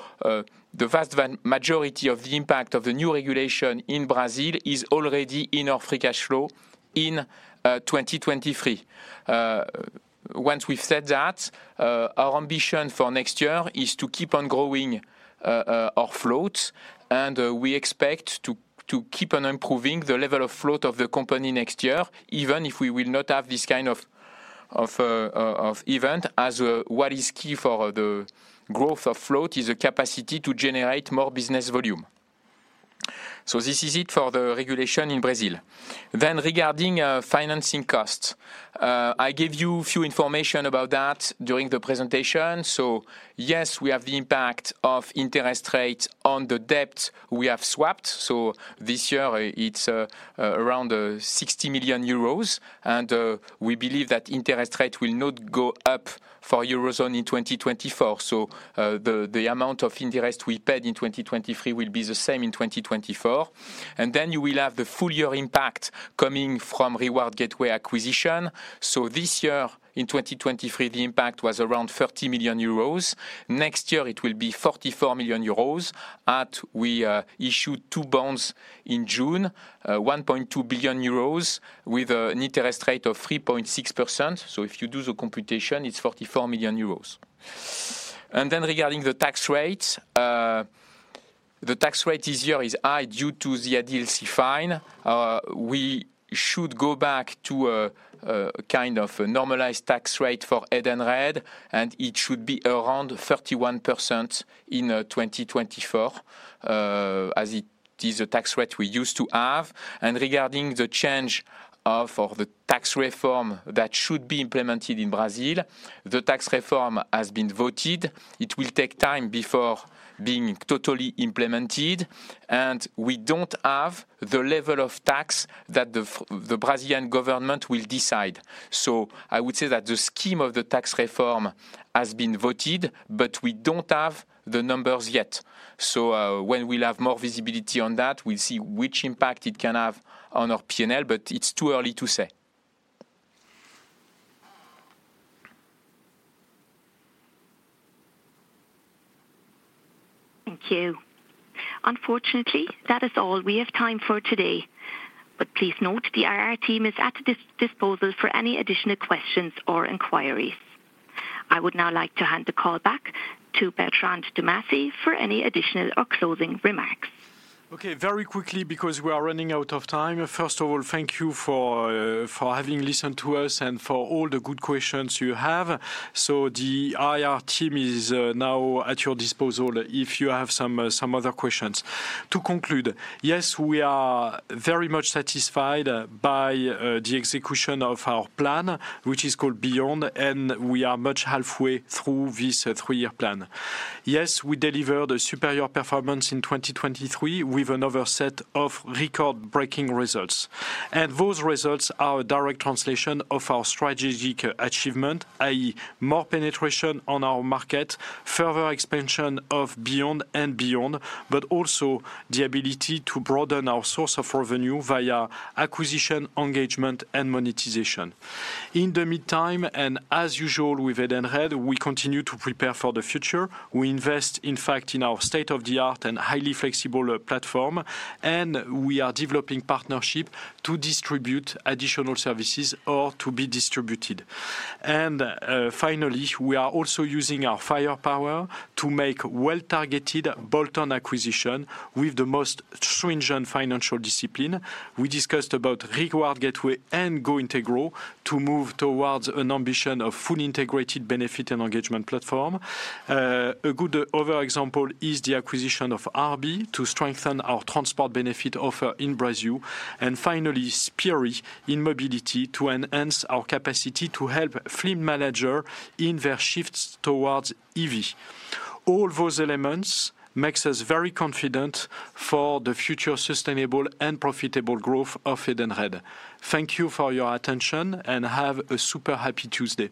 the vast majority of the impact of the new regulation in Brazil is already in our free cash flow in 2023. Once we've said that, our ambition for next year is to keep on growing our floats, and we expect to keep on improving the level of float of the company next year, even if we will not have this kind of event, as what is key for the growth of float is the capacity to generate more business volume. So this is it for the regulation in Brazil. Then regarding financing costs, I gave you a few information about that during the presentation. So, yes, we have the impact of interest rates on the debt we have swapped. So this year, it's around 60 million euros, and we believe that interest rate will not go up for Eurozone in 2024. So, the amount of interest we paid in 2023 will be the same in 2024. And then you will have the full year impact coming from Reward Gateway acquisition. So this year, in 2023, the impact was around 30 million euros. Next year, it will be 44 million euros, and we issued two bonds in June, 1.2 billion euros with an interest rate of 3.6%. So if you do the computation, it's 44 million euros. And then regarding the tax rate, the tax rate this year is high due to the ADLC fine. We should go back to a kind of a normalized tax rate for Edenred, and it should be around 31% in 2024, as it is a tax rate we used to have. Regarding the change of, or the tax reform that should be implemented in Brazil, the tax reform has been voted. It will take time before being totally implemented, and we don't have the level of tax that the Brazilian government will decide. I would say that the scheme of the tax reform has been voted, but we don't have the numbers yet. When we'll have more visibility on that, we'll see which impact it can have on our P&L, but it's too early to say. Thank you. Unfortunately, that is all we have time for today. But please note, the IR team is at the disposal for any additional questions or inquiries. I would now like to hand the call back to Bertrand Dumazy for any additional or closing remarks. Okay, very quickly, because we are running out of time. First of all, thank you for having listened to us and for all the good questions you have. So the IR team is now at your disposal if you have some other questions. To conclude, yes, we are very much satisfied by the execution of our plan, which is called Beyond, and we are much halfway through this three-year plan. Yes, we delivered a superior performance in 2023 with another set of record-breaking results. Those results are a direct translation of our strategic achievement, i.e., more penetration on our market, further expansion of Beyond and Beyond, but also the ability to broaden our source of revenue via acquisition, engagement, and monetization. In the meantime, and as usual with Edenred, we continue to prepare for the future. We invest, in fact, in our state-of-the-art and highly flexible, platform, and we are developing partnership to distribute additional services or to be distributed. Finally, we are also using our firepower to make well-targeted bolt-on acquisition with the most stringent financial discipline. We discussed about Reward Gateway and GOintegro to move towards an ambition of fully integrated benefit and engagement platform. A good other example is the acquisition of RB to strengthen our transport benefit offer in Brazil. Finally, Spirii in mobility, to enhance our capacity to help fleet manager in their shifts towards EV. All those elements makes us very confident for the future, sustainable, and profitable growth of Edenred. Thank you for your attention, and have a super happy Tuesday.